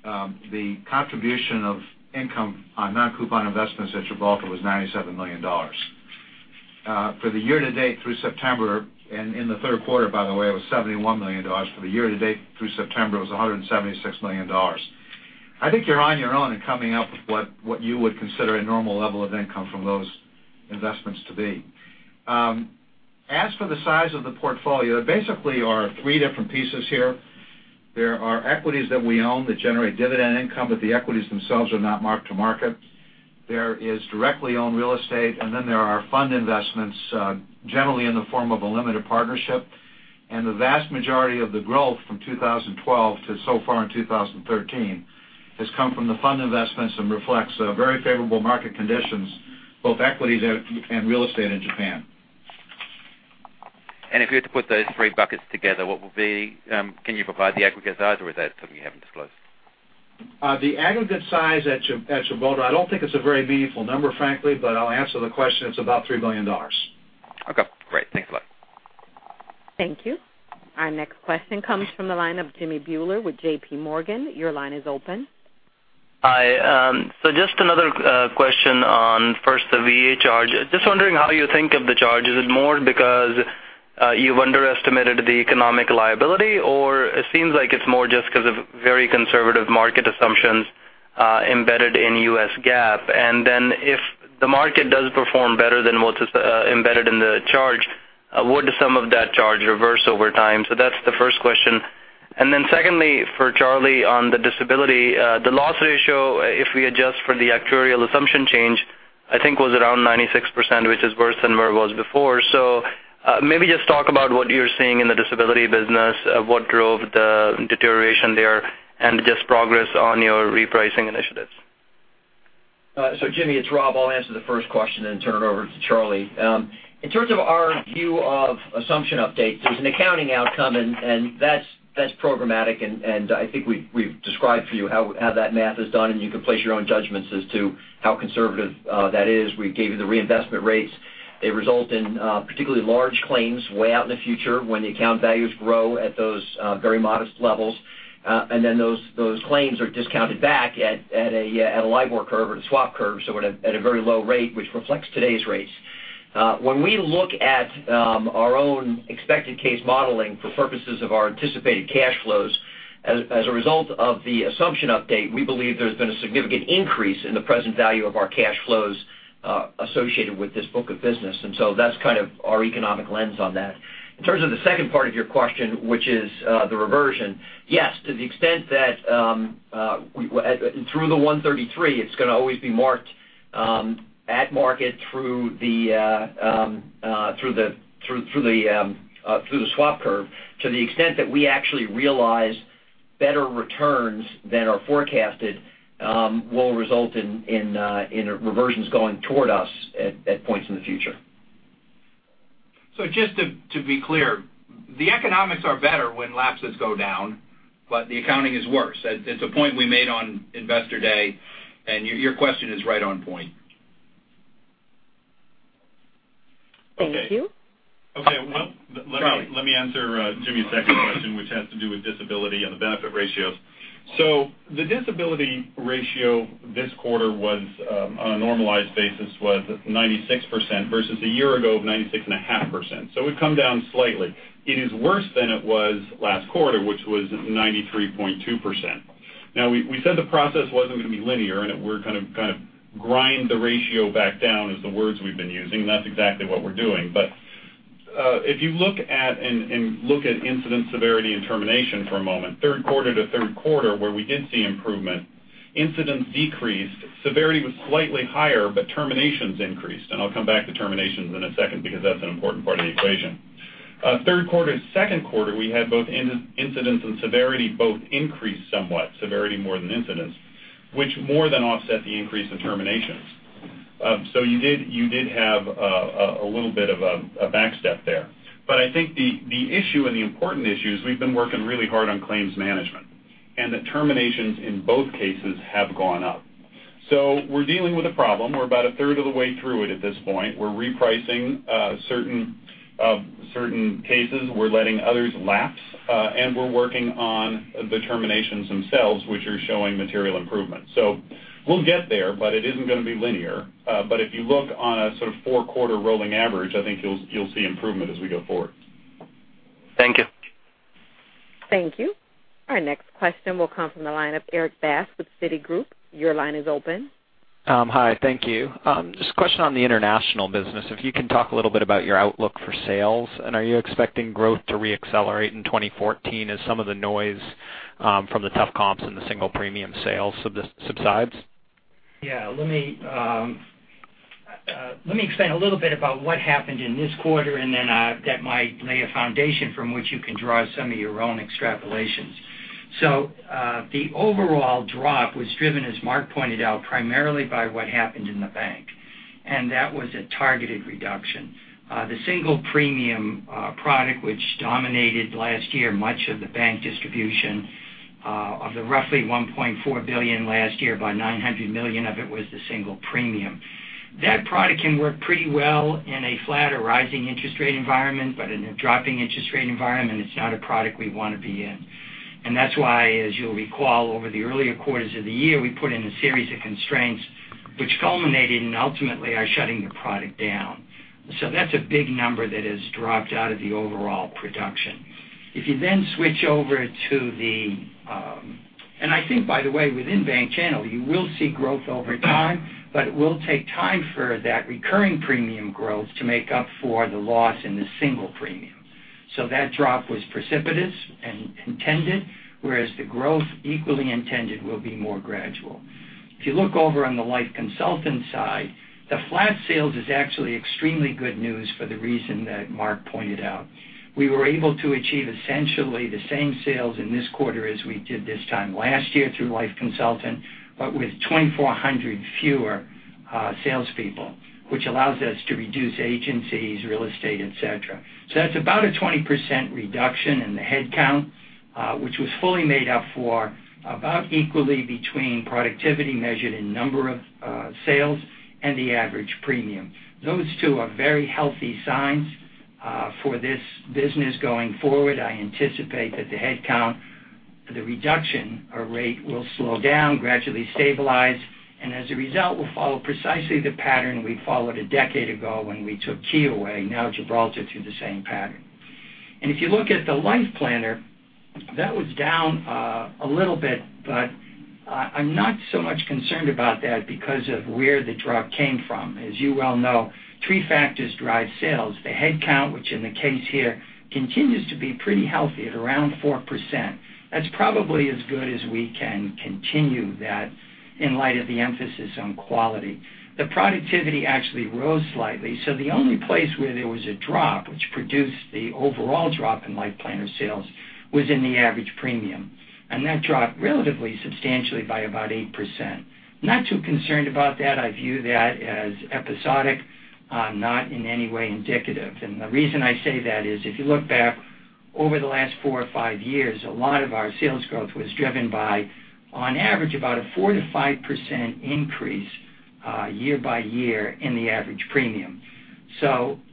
S2: the contribution of income on non-coupon investments at Gibraltar was $97 million. For the year to date through September and in the third quarter, by the way, it was $71 million. For the year to date through September, it was $176 million. I think you're on your own in coming up with what you would consider a normal level of income from those investments to be. As for the size of the portfolio, basically are three different pieces here. There are equities that we own that generate dividend income, the equities themselves are not marked to market. There is directly owned real estate, then there are fund investments, generally in the form of a limited partnership. The vast majority of the growth from 2012 to so far in 2013 has come from the fund investments and reflects very favorable market conditions, both equities and real estate in Japan.
S10: If you had to put those three buckets together, can you provide the aggregate size, or is that something you haven't disclosed?
S2: The aggregate size at Gibraltar, I don't think it's a very meaningful number, frankly, but I'll answer the question. It's about $3 billion.
S10: Okay, great. Thanks a lot.
S1: Thank you. Our next question comes from the line of Jimmy Bhullar with JPMorgan. Your line is open.
S11: Hi. Just another question on, first, the VA charge. Just wondering how you think of the charge. Is it more because you've underestimated the economic liability, or it seems like it's more just because of very conservative market assumptions embedded in U.S. GAAP. If the market does perform better than what is embedded in the charge, would some of that charge reverse over time? That's the first question. Secondly, for Charlie, on the disability, the loss ratio, if we adjust for the actuarial assumption change, I think was around 96%, which is worse than where it was before. Maybe just talk about what you're seeing in the disability business, what drove the deterioration there, and just progress on your repricing initiatives.
S5: Jimmy, it's Rob. I'll answer the first question and turn it over to Charlie. In terms of our view of assumption updates, there's an accounting outcome, that's programmatic, I think we've described for you how that math is done, and you can place your own judgments as to how conservative that is. We gave you the reinvestment rates. They result in particularly large claims way out in the future when the account values grow at those very modest levels. Those claims are discounted back at a LIBOR curve or the swap curve, so at a very low rate, which reflects today's rates. When we look at our own expected case modeling for purposes of our anticipated cash flows, as a result of the assumption update, we believe there's been a significant increase in the present value of our cash flows associated with this book of business. That's kind of our economic lens on that. In terms of the second part of your question, which is the reversion, yes, to the extent that through the 133, it's going to always be marked at market through the swap curve. To the extent that we actually realize better returns than are forecasted will result in reversions going toward us at points in the future. Just to be clear, the economics are better when lapses go down, but the accounting is worse. It's a point we made on Investor Day, and your question is right on point.
S1: Thank you.
S7: Okay.
S5: Charlie.
S7: Let me answer Jimmy's second question, which has to do with disability and the benefit ratios. The disability ratio this quarter on a normalized basis was 96% versus a year ago of 96.5%. We've come down slightly. It is worse than it was last quarter, which was 93.2%. We said the process wasn't going to be linear, and we're going to kind of grind the ratio back down is the words we've been using, and that's exactly what we're doing. If you look at incident severity and termination for a moment, third quarter to third quarter, where we did see improvement, incidents decreased, severity was slightly higher, but terminations increased, and I'll come back to terminations in a second because that's an important part of the equation. Third quarter to second quarter, we had both incidents and severity both increase somewhat, severity more than incidents, which more than offset the increase in terminations. You did have a little bit of a back step there. I think the issue and the important issue is we've been working really hard on claims management, and the terminations in both cases have gone up. We're dealing with a problem. We're about a third of the way through it at this point. We're repricing certain cases, we're letting others lapse, and we're working on the terminations themselves, which are showing material improvement. We'll get there, but it isn't going to be linear. If you look on a sort of four-quarter rolling average, I think you'll see improvement as we go forward.
S11: Thank you.
S1: Thank you. Our next question will come from the line of Erik Bass with Citigroup. Your line is open.
S12: Hi, thank you. Just a question on the international business, if you can talk a little bit about your outlook for sales. Are you expecting growth to re-accelerate in 2014 as some of the noise from the tough comps in the single premium sales subsides?
S9: Yeah. Let me explain a little bit about what happened in this quarter. That might lay a foundation from which you can draw some of your own extrapolations. The overall drop was driven, as Mark pointed out, primarily by what happened in the bank. That was a targeted reduction. The single premium product, which dominated last year much of the bank distribution of the roughly $1.4 billion last year, about $900 million of it was the single premium. That product can work pretty well in a flat or rising interest rate environment, but in a dropping interest rate environment, it's not a product we want to be in. That's why, as you'll recall, over the earlier quarters of the year, we put in a series of constraints which culminated in ultimately our shutting the product down. That's a big number that has dropped out of the overall production. If you then switch over to the-- and I think, by the way, within bank channel, you will see growth over time, but it will take time for that recurring premium growth to make up for the loss in the single premium. That drop was precipitous and intended, whereas the growth, equally intended, will be more gradual. If you look over on the life consultant side, the flat sales is actually extremely good news for the reason that Mark Grier pointed out. We were able to achieve essentially the same sales in this quarter as we did this time last year through life consultant, but with 2,400 fewer salespeople, which allows us to reduce agencies, real estate, et cetera. That's about a 20% reduction in the headcount, which was fully made up for about equally between productivity measured in number of sales and the average premium. Those two are very healthy signs for this business going forward. I anticipate that the headcount, the reduction rate will slow down, gradually stabilize, and as a result, will follow precisely the pattern we followed a decade ago when we took Kyoei away. Now Gibraltar through the same pattern. If you look at the life planner, that was down a little bit, but I'm not so much concerned about that because of where the drop came from. As you well know, three factors drive sales. The headcount, which in the case here continues to be pretty healthy at around 4%. That's probably as good as we can continue that in light of the emphasis on quality. The productivity actually rose slightly, so the only place where there was a drop, which produced the overall drop in life planner sales, was in the average premium. That dropped relatively substantially by about 8%. Not too concerned about that. I view that as episodic, not in any way indicative. The reason I say that is if you look back over the last four or five years, a lot of our sales growth was driven by, on average, about a 4%-5% increase year by year in the average premium.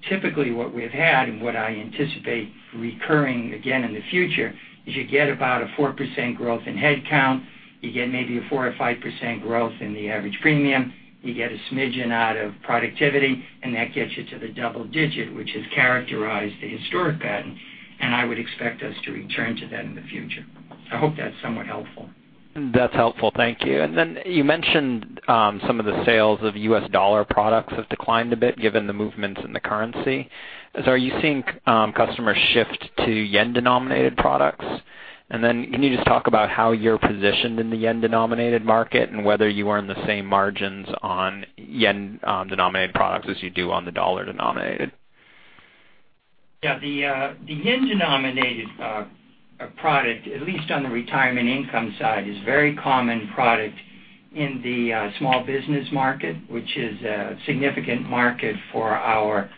S9: Typically, what we've had, and what I anticipate recurring again in the future, is you get about a 4% growth in headcount, you get maybe a 4% or 5% growth in the average premium, you get a smidgen out of productivity, and that gets you to the double digit, which has characterized the historic pattern, and I would expect us to return to that in the future. I hope that's somewhat helpful.
S12: That's helpful. Thank you. You mentioned some of the sales of U.S. dollar products have declined a bit given the movements in the currency. Are you seeing customers shift to yen-denominated products? Can you just talk about how you're positioned in the yen-denominated market and whether you earn the same margins on yen-denominated products as you do on the dollar-denominated?
S9: Yeah. The yen-denominated product, at least on the retirement income side, is a very common product in the small business market, which is a significant market for our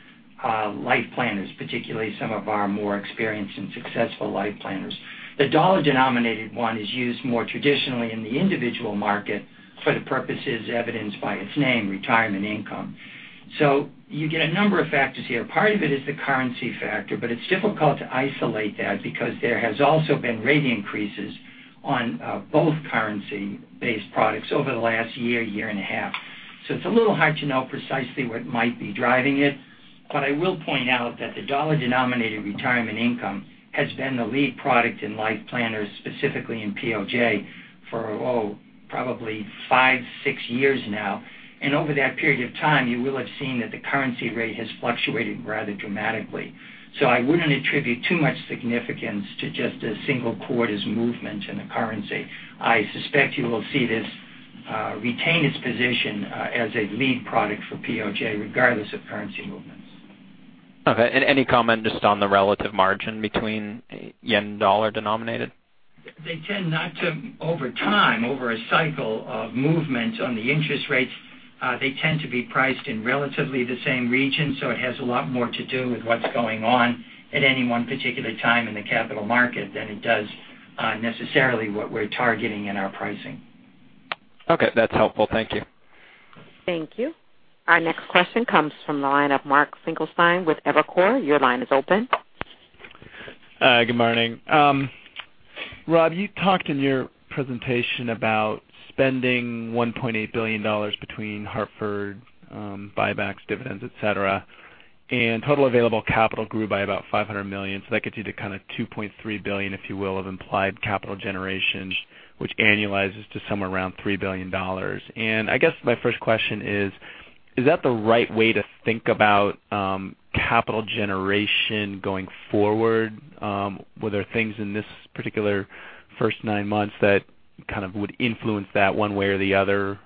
S9: life planners, particularly some of our more experienced and successful life planners. The dollar-denominated one is used more traditionally in the individual market for the purposes evidenced by its name, retirement income. You get a number of factors here. Part of it is the currency factor, but it's difficult to isolate that because there has also been rate increases on both currency-based products over the last year and a half. It's a little hard to know precisely what might be driving it. I will point out that the dollar-denominated retirement income has been the lead product in life planners, specifically in POJ, for, oh, probably five, six years now. Over that period of time, you will have seen that the currency rate has fluctuated rather dramatically. I wouldn't attribute too much significance to just a single quarter's movement in the currency. I suspect you will see this retain its position as a lead product for POJ regardless of currency movements.
S12: Okay, any comment just on the relative margin between yen, dollar-denominated?
S5: They tend not to over time, over a cycle of movements on the interest rates. They tend to be priced in relatively the same region, so it has a lot more to do with what's going on at any one particular time in the capital market than it does necessarily what we're targeting in our pricing.
S12: Okay, that's helpful. Thank you.
S1: Thank you. Our next question comes from the line of Mark Finkelstein with Evercore. Your line is open.
S13: Hi, good morning. Rob, you talked in your presentation about spending $1.8 billion between Hartford buybacks, dividends, et cetera, and total available capital grew by about $500 million. That gets you to kind of $2.3 billion, if you will, of implied capital generations, which annualizes to somewhere around $3 billion. I guess my first question is that the right way to think about capital generation going forward? Were there things in this particular first nine months that kind of would influence that one way or the other?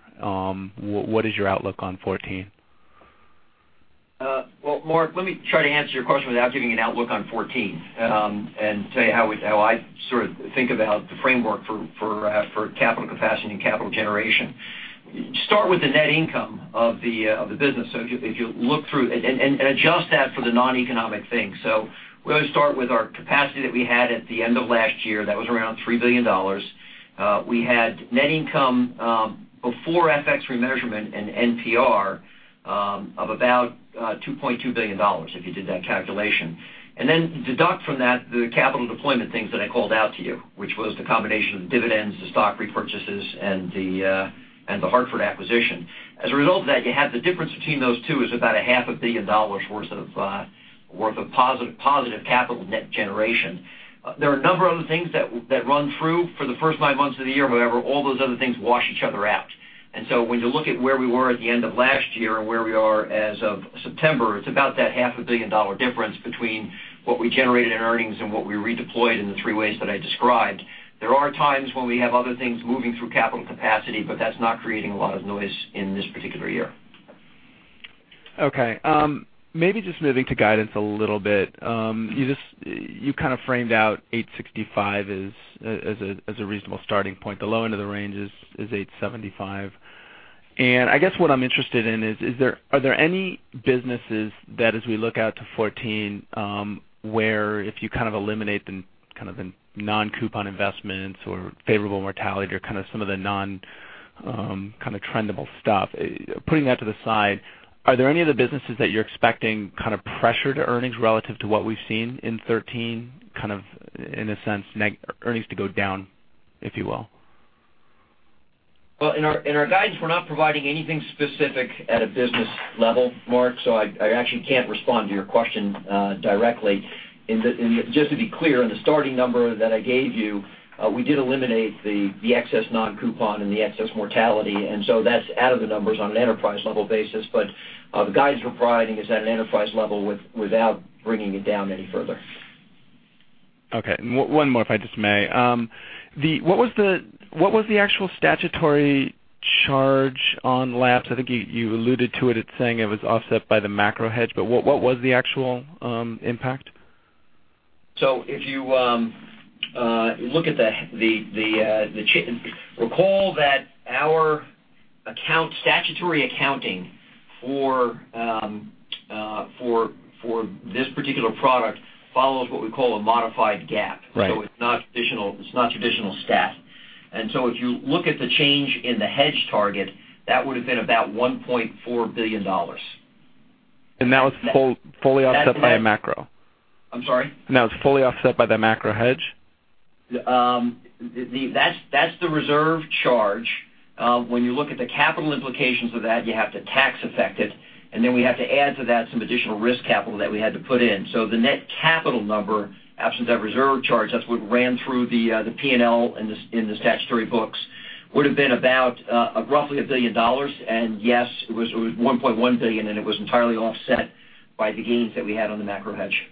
S13: What is your outlook on 2014?
S5: Well, Mark, let me try to answer your question without giving an outlook on 2014, and tell you how I sort of think about the framework for capital capacity and capital generation. Start with the net income of the business. If you look through and adjust that for the non-economic things. We always start with our capacity that we had at the end of last year. That was around $3 billion. We had net income before FX remeasurement and NPR of about $2.2 billion, if you did that calculation. Then deduct from that the capital deployment things that I called out to you, which was the combination of the dividends, the stock repurchases, and the Hartford acquisition. As a result of that, you have the difference between those two is about a half a billion dollars worth of positive capital net generation. There are a number of other things that run through for the first nine months of the year, whatever. All those other things wash each other out. When you look at where we were at the end of last year and where we are as of September, it's about that half a billion dollar difference between what we generated in earnings and what we redeployed in the three ways that I described. There are times when we have other things moving through capital capacity, but that's not creating a lot of noise in this particular year.
S13: Okay. Maybe just moving to guidance a little bit. You kind of framed out $865 as a reasonable starting point. The low end of the range is $875. I guess what I'm interested in is, are there any businesses that as we look out to 2014, where if you kind of eliminate the non-coupon investments or favorable mortality or kind of some of the non-kind of trendable stuff, putting that to the side, are there any of the businesses that you're expecting kind of pressure to earnings relative to what we've seen in 2013, kind of in a sense, earnings to go down, if you will?
S5: Well, in our guidance, we're not providing anything specific at a business level, Mark, I actually can't respond to your question directly. Just to be clear, in the starting number that I gave you, we did eliminate the excess non-coupon and the excess mortality, that's out of the numbers on an enterprise level basis. The guidance we're providing is at an enterprise level without bringing it down any further.
S13: Okay. One more, if I just may. What was the actual statutory charge on lapse? I think you alluded to it. It's saying it was offset by the macro hedge, what was the actual impact?
S5: If you look at the Recall that our statutory accounting for this particular product follows what we call a modified GAAP.
S13: Right.
S5: It's not traditional stat. If you look at the change in the hedge target, that would've been about $1.4 billion.
S13: That was fully offset by a macro?
S5: I'm sorry?
S13: That was fully offset by the macro hedge?
S5: That's the reserve charge. When you look at the capital implications of that, you have to tax affect it, and then we have to add to that some additional risk capital that we had to put in. The net capital number, absent that reserve charge, that's what ran through the P&L in the statutory books, would've been about roughly $1 billion, and yes, it was $1.1 billion, and it was entirely offset by the gains that we had on the macro hedge.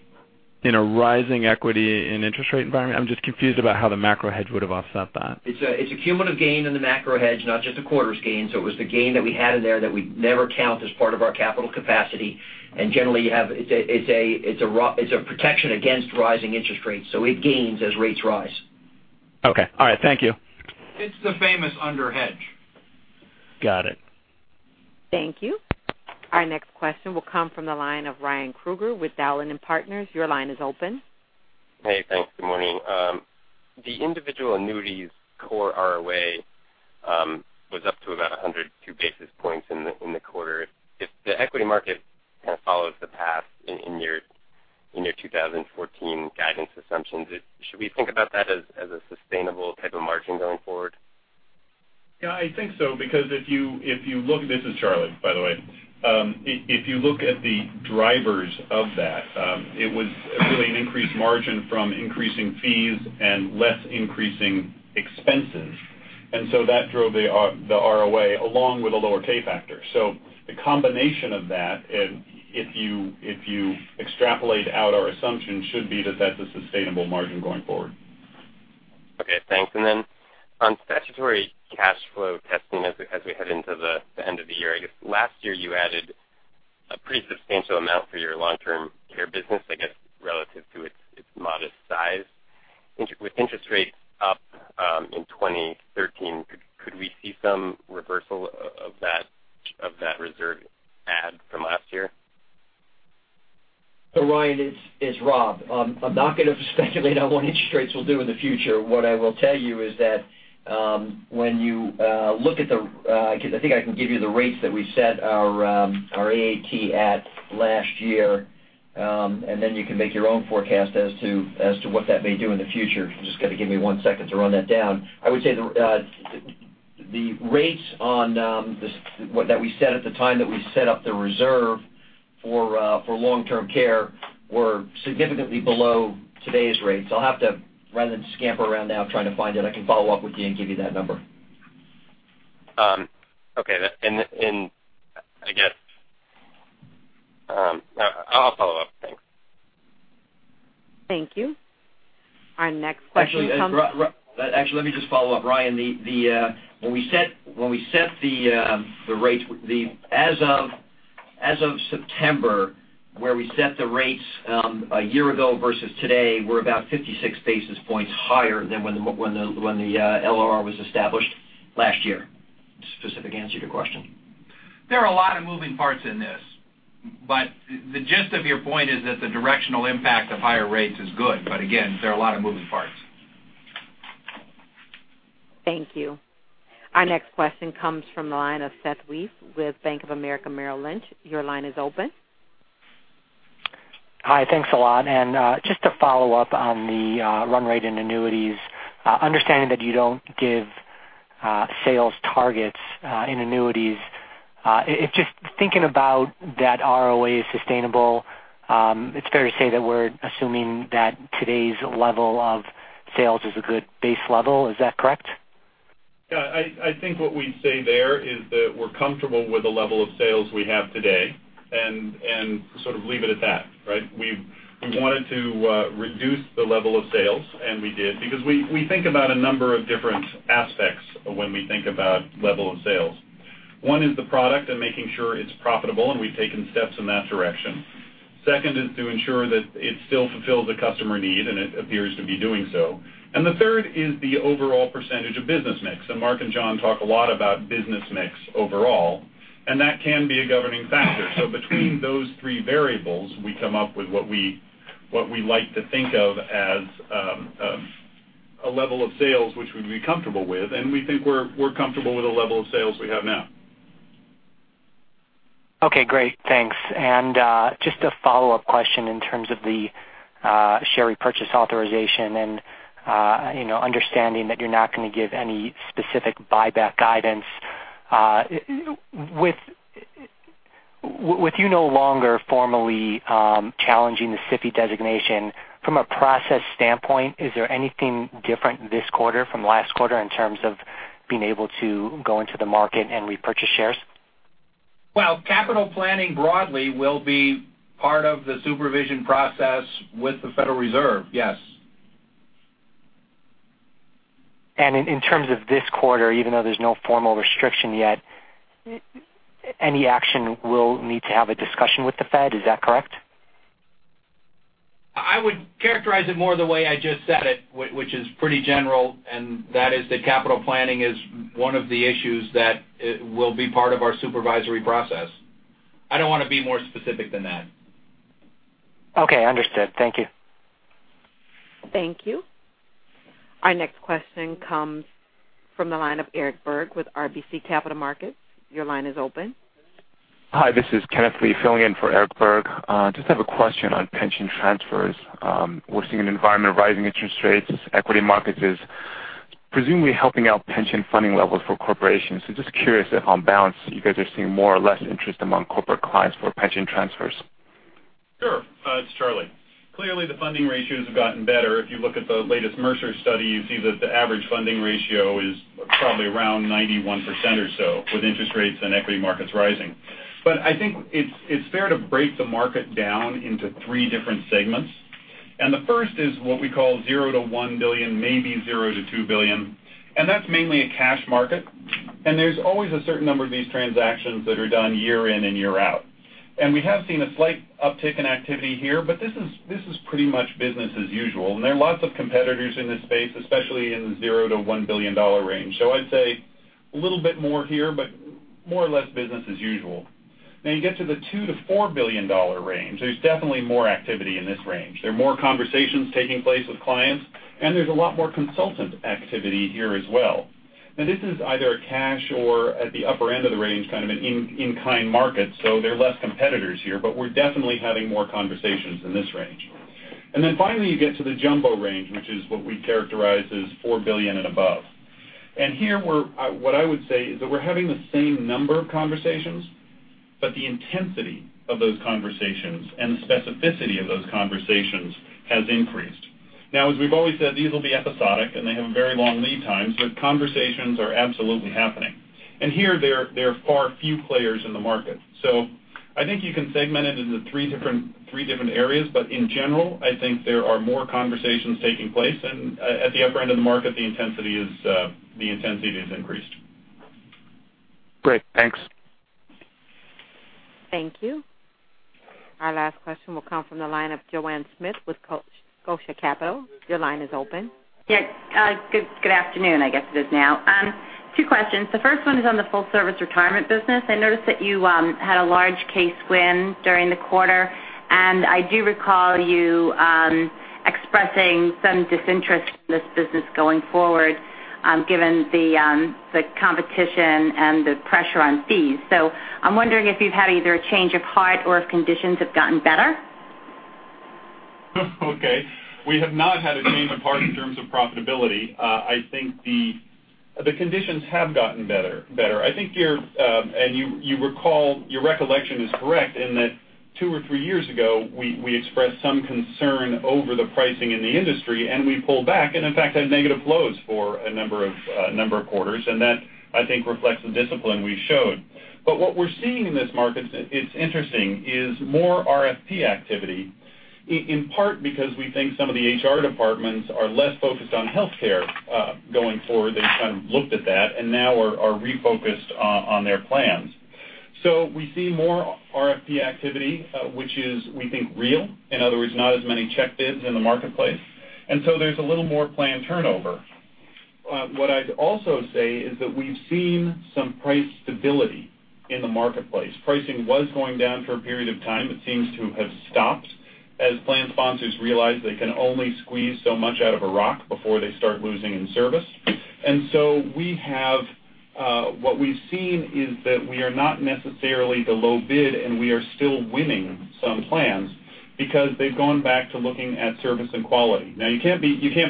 S13: In a rising equity and interest rate environment? I'm just confused about how the macro hedge would've offset that.
S5: It's a cumulative gain in the macro hedge, not just a quarter's gain. It was the gain that we had in there that we never count as part of our capital capacity. Generally, it's a protection against rising interest rates. It gains as rates rise.
S13: Okay. All right. Thank you.
S4: It's the famous under hedge.
S13: Got it.
S1: Thank you. Our next question will come from the line of Ryan Krueger with Dowling & Partners. Your line is open.
S14: Hey, thanks. Good morning. The individual annuities core ROA was up to about 102 basis points in the quarter. If the equity market kind of follows the path in your 2014 guidance assumptions, should we think about that as a sustainable type of margin going forward?
S7: Yeah, I think so. This is Charlie, by the way. If you look at the drivers of that, it was really an increased margin from increasing fees and less increasing expenses. That drove the ROA along with a lower K-factor. The combination of that, if you extrapolate out our assumption, should be that that's a sustainable margin going forward.
S14: Okay, thanks. On statutory cash flow testing as we head into the end of the year, I guess last year you added a pretty substantial amount for your long-term care business, I guess, relative to its modest size. With interest rates up in 2013, could we see some reversal of that reserve add from last year?
S5: Ryan Krueger, it's Rob Falzon. I'm not going to speculate on what interest rates will do in the future. What I will tell you is that when you look at the, I think I can give you the rates that we set our AAT at last year. You can make your own forecast as to what that may do in the future. Just got to give me one second to run that down. I would say the rates that we set at the time that we set up the reserve for long-term care were significantly below today's rates. I'll have to, rather than scamper around now trying to find it, I can follow up with you and give you that number.
S14: Okay. I'll follow up. Thanks.
S1: Thank you. Our next question comes.
S5: Actually, let me just follow up, Ryan. When we set the rates, as of September, where we set the rates a year ago versus today, we are about 56 basis points higher than when the LRR was established last year. Specific answer to your question.
S7: There are a lot of moving parts in this, but the gist of your point is that the directional impact of higher rates is good. Again, there are a lot of moving parts.
S1: Thank you. Our next question comes from the line of Seth Weiss with Bank of America Merrill Lynch. Your line is open.
S15: Hi. Thanks a lot. Just to follow up on the run rate in annuities, understanding that you do not give sales targets in annuities. Just thinking about that ROA is sustainable, it is fair to say that we are assuming that today's level of sales is a good base level. Is that correct?
S7: Yeah, I think what we'd say there is that we're comfortable with the level of sales we have today and sort of leave it at that. Right? We wanted to reduce the level of sales, and we did, because we think about a number of different aspects when we think about level of sales. One is the product and making sure it's profitable, and we've taken steps in that direction. Second is to ensure that it still fulfills a customer need, and it appears to be doing so. Mark and John talk a lot about business mix overall, and that can be a governing factor. Between those three variables, we come up with what we like to think of as a level of sales which we'd be comfortable with. We think we're comfortable with the level of sales we have now.
S15: Okay, great. Thanks. Just a follow-up question in terms of the share repurchase authorization and understanding that you're not going to give any specific buyback guidance. With you no longer formally challenging the SIFI designation, from a process standpoint, is there anything different this quarter from last quarter in terms of being able to go into the market and repurchase shares?
S7: Well, capital planning broadly will be part of the supervision process with the Federal Reserve, yes.
S15: In terms of this quarter, even though there is no formal restriction yet, any action will need to have a discussion with the Fed, is that correct?
S7: I would characterize it more the way I just said it, which is pretty general, and that is that capital planning is one of the issues that will be part of our supervisory process. I don't want to be more specific than that.
S15: Okay, understood. Thank you.
S1: Thank you. Our next question comes from the line of Eric Berg with RBC Capital Markets. Your line is open.
S16: Hi, this is Kenneth Lee filling in for Eric Berg. Just have a question on pension transfers. We're seeing an environment of rising interest rates. Equity markets is presumably helping out pension funding levels for corporations. Just curious if on balance, you guys are seeing more or less interest among corporate clients for pension transfers.
S7: Sure. It's Charlie. Clearly, the funding ratios have gotten better. If you look at the latest Mercer study, you see that the average funding ratio is probably around 91% or so with interest rates and equity markets rising. I think it's fair to break the market down into three different segments. The first is what we call zero to $1 billion, maybe zero to $2 billion, and that's mainly a cash market. There's always a certain number of these transactions that are done year in and year out. We have seen a slight uptick in activity here, but this is pretty much business as usual. There are lots of competitors in this space, especially in the zero to $1 billion range. I'd say a little bit more here, but more or less business as usual. Now you get to the $2 billion to $4 billion range. There's definitely more activity in this range. There are more conversations taking place with clients, and there's a lot more consultant activity here as well. Now, this is either a cash or at the upper end of the range, kind of an in-kind market, there are less competitors here, we're definitely having more conversations in this range. Then finally, you get to the jumbo range, which is what we characterize as $4 billion and above. Here, what I would say is that we're having the same number of conversations, the intensity of those conversations and the specificity of those conversations has increased. Now, as we've always said, these will be episodic, they have very long lead times, conversations are absolutely happening. Here there are far few players in the market. I think you can segment it into three different areas. In general, I think there are more conversations taking place. At the upper end of the market, the intensity has increased.
S16: Great. Thanks.
S1: Thank you. Our last question will come from the line of Joanne Smith with Scotia Capital. Your line is open.
S17: Good afternoon, I guess it is now. Two questions. The first one is on the full service retirement business. I noticed that you had a large case win during the quarter, and I do recall you expressing some disinterest in this business going forward given the competition and the pressure on fees. I'm wondering if you've had either a change of heart or if conditions have gotten better.
S7: We have not had a change of heart in terms of profitability. I think the conditions have gotten better. Your recollection is correct in that two or three years ago, we expressed some concern over the pricing in the industry, and we pulled back and in fact, had negative flows for a number of quarters. That, I think, reflects the discipline we showed. What we're seeing in this market, it's interesting, is more RFP activity, in part because we think some of the HR departments are less focused on healthcare going forward. They've kind of looked at that and now are refocused on their plans. We see more RFP activity, which is, we think, real. In other words, not as many check bids in the marketplace. There's a little more plan turnover. What I'd also say is that we've seen some price stability in the marketplace. Pricing was going down for a period of time. It seems to have stopped as plan sponsors realize they can only squeeze so much out of a rock before they start losing in service. What we've seen is that we are not necessarily the low bid, and we are still winning some plans because they've gone back to looking at service and quality. You can't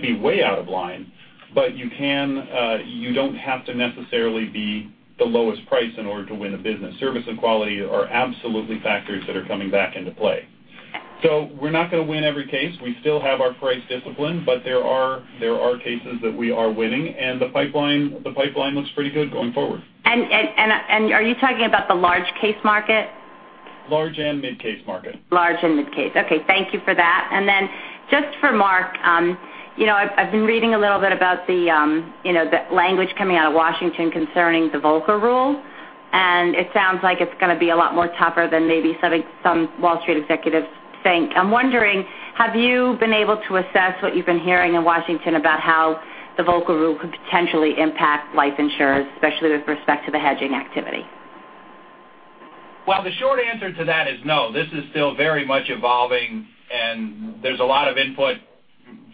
S7: be way out of line, but you don't have to necessarily be the lowest price in order to win a business. Service and quality are absolutely factors that are coming back into play. We're not going to win every case. We still have our price discipline, but there are cases that we are winning, and the pipeline looks pretty good going forward.
S17: Are you talking about the large case market?
S7: Large and mid case market.
S17: Large and mid case. Okay. Thank you for that. Just for Mark, I've been reading a little bit about the language coming out of Washington concerning the Volcker Rule, and it sounds like it's going to be a lot more tougher than maybe some Wall Street executives think. I'm wondering, have you been able to assess what you've been hearing in Washington about how the Volcker Rule could potentially impact life insurers, especially with respect to the hedging activity?
S4: Well, the short answer to that is no. This is still very much evolving, and there's a lot of input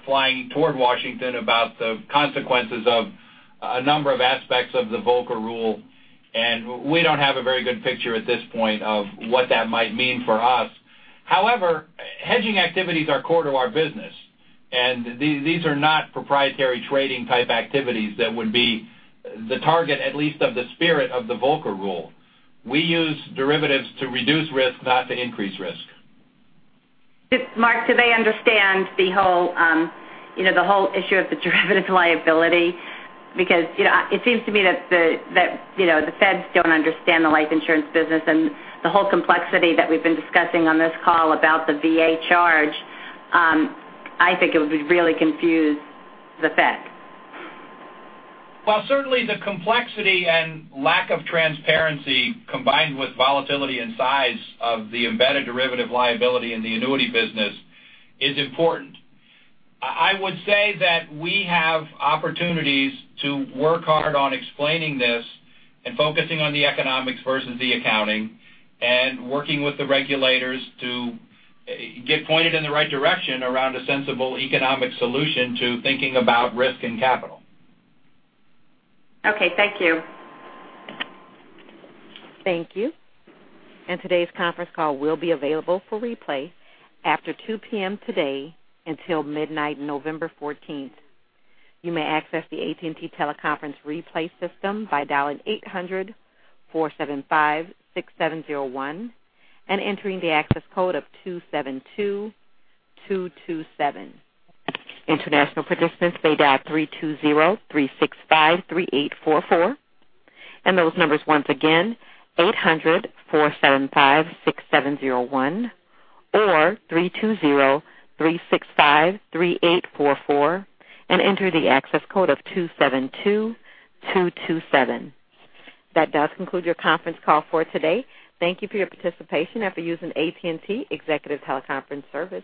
S4: flying toward Washington about the consequences of a number of aspects of the Volcker Rule, and we don't have a very good picture at this point of what that might mean for us. However, hedging activities are core to our business, and these are not proprietary trading type activities that would be the target, at least of the spirit of the Volcker Rule. We use derivatives to reduce risk, not to increase risk.
S17: Mark, do they understand the whole issue of the derivative liability? It seems to me that the Feds don't understand the life insurance business and the whole complexity that we've been discussing on this call about the VA charge. I think it would really confuse the Fed.
S4: Well, certainly the complexity and lack of transparency, combined with volatility and size of the embedded derivative liability in the annuity business is important. I would say that we have opportunities to work hard on explaining this and focusing on the economics versus the accounting and working with the regulators to get pointed in the right direction around a sensible economic solution to thinking about risk and capital.
S17: Okay, thank you.
S1: Thank you. Today's conference call will be available for replay after 2:00 P.M. today until midnight, November 14th. You may access the AT&T teleconference replay system by dialing 800-475-6701 and entering the access code of 272227. International participants may dial 320-365-3844. Those numbers once again, 800-475-6701 or 320-365-3844 and enter the access code of 272227. That does conclude your conference call for today. Thank you for your participation after using AT&T Executive Teleconference Service.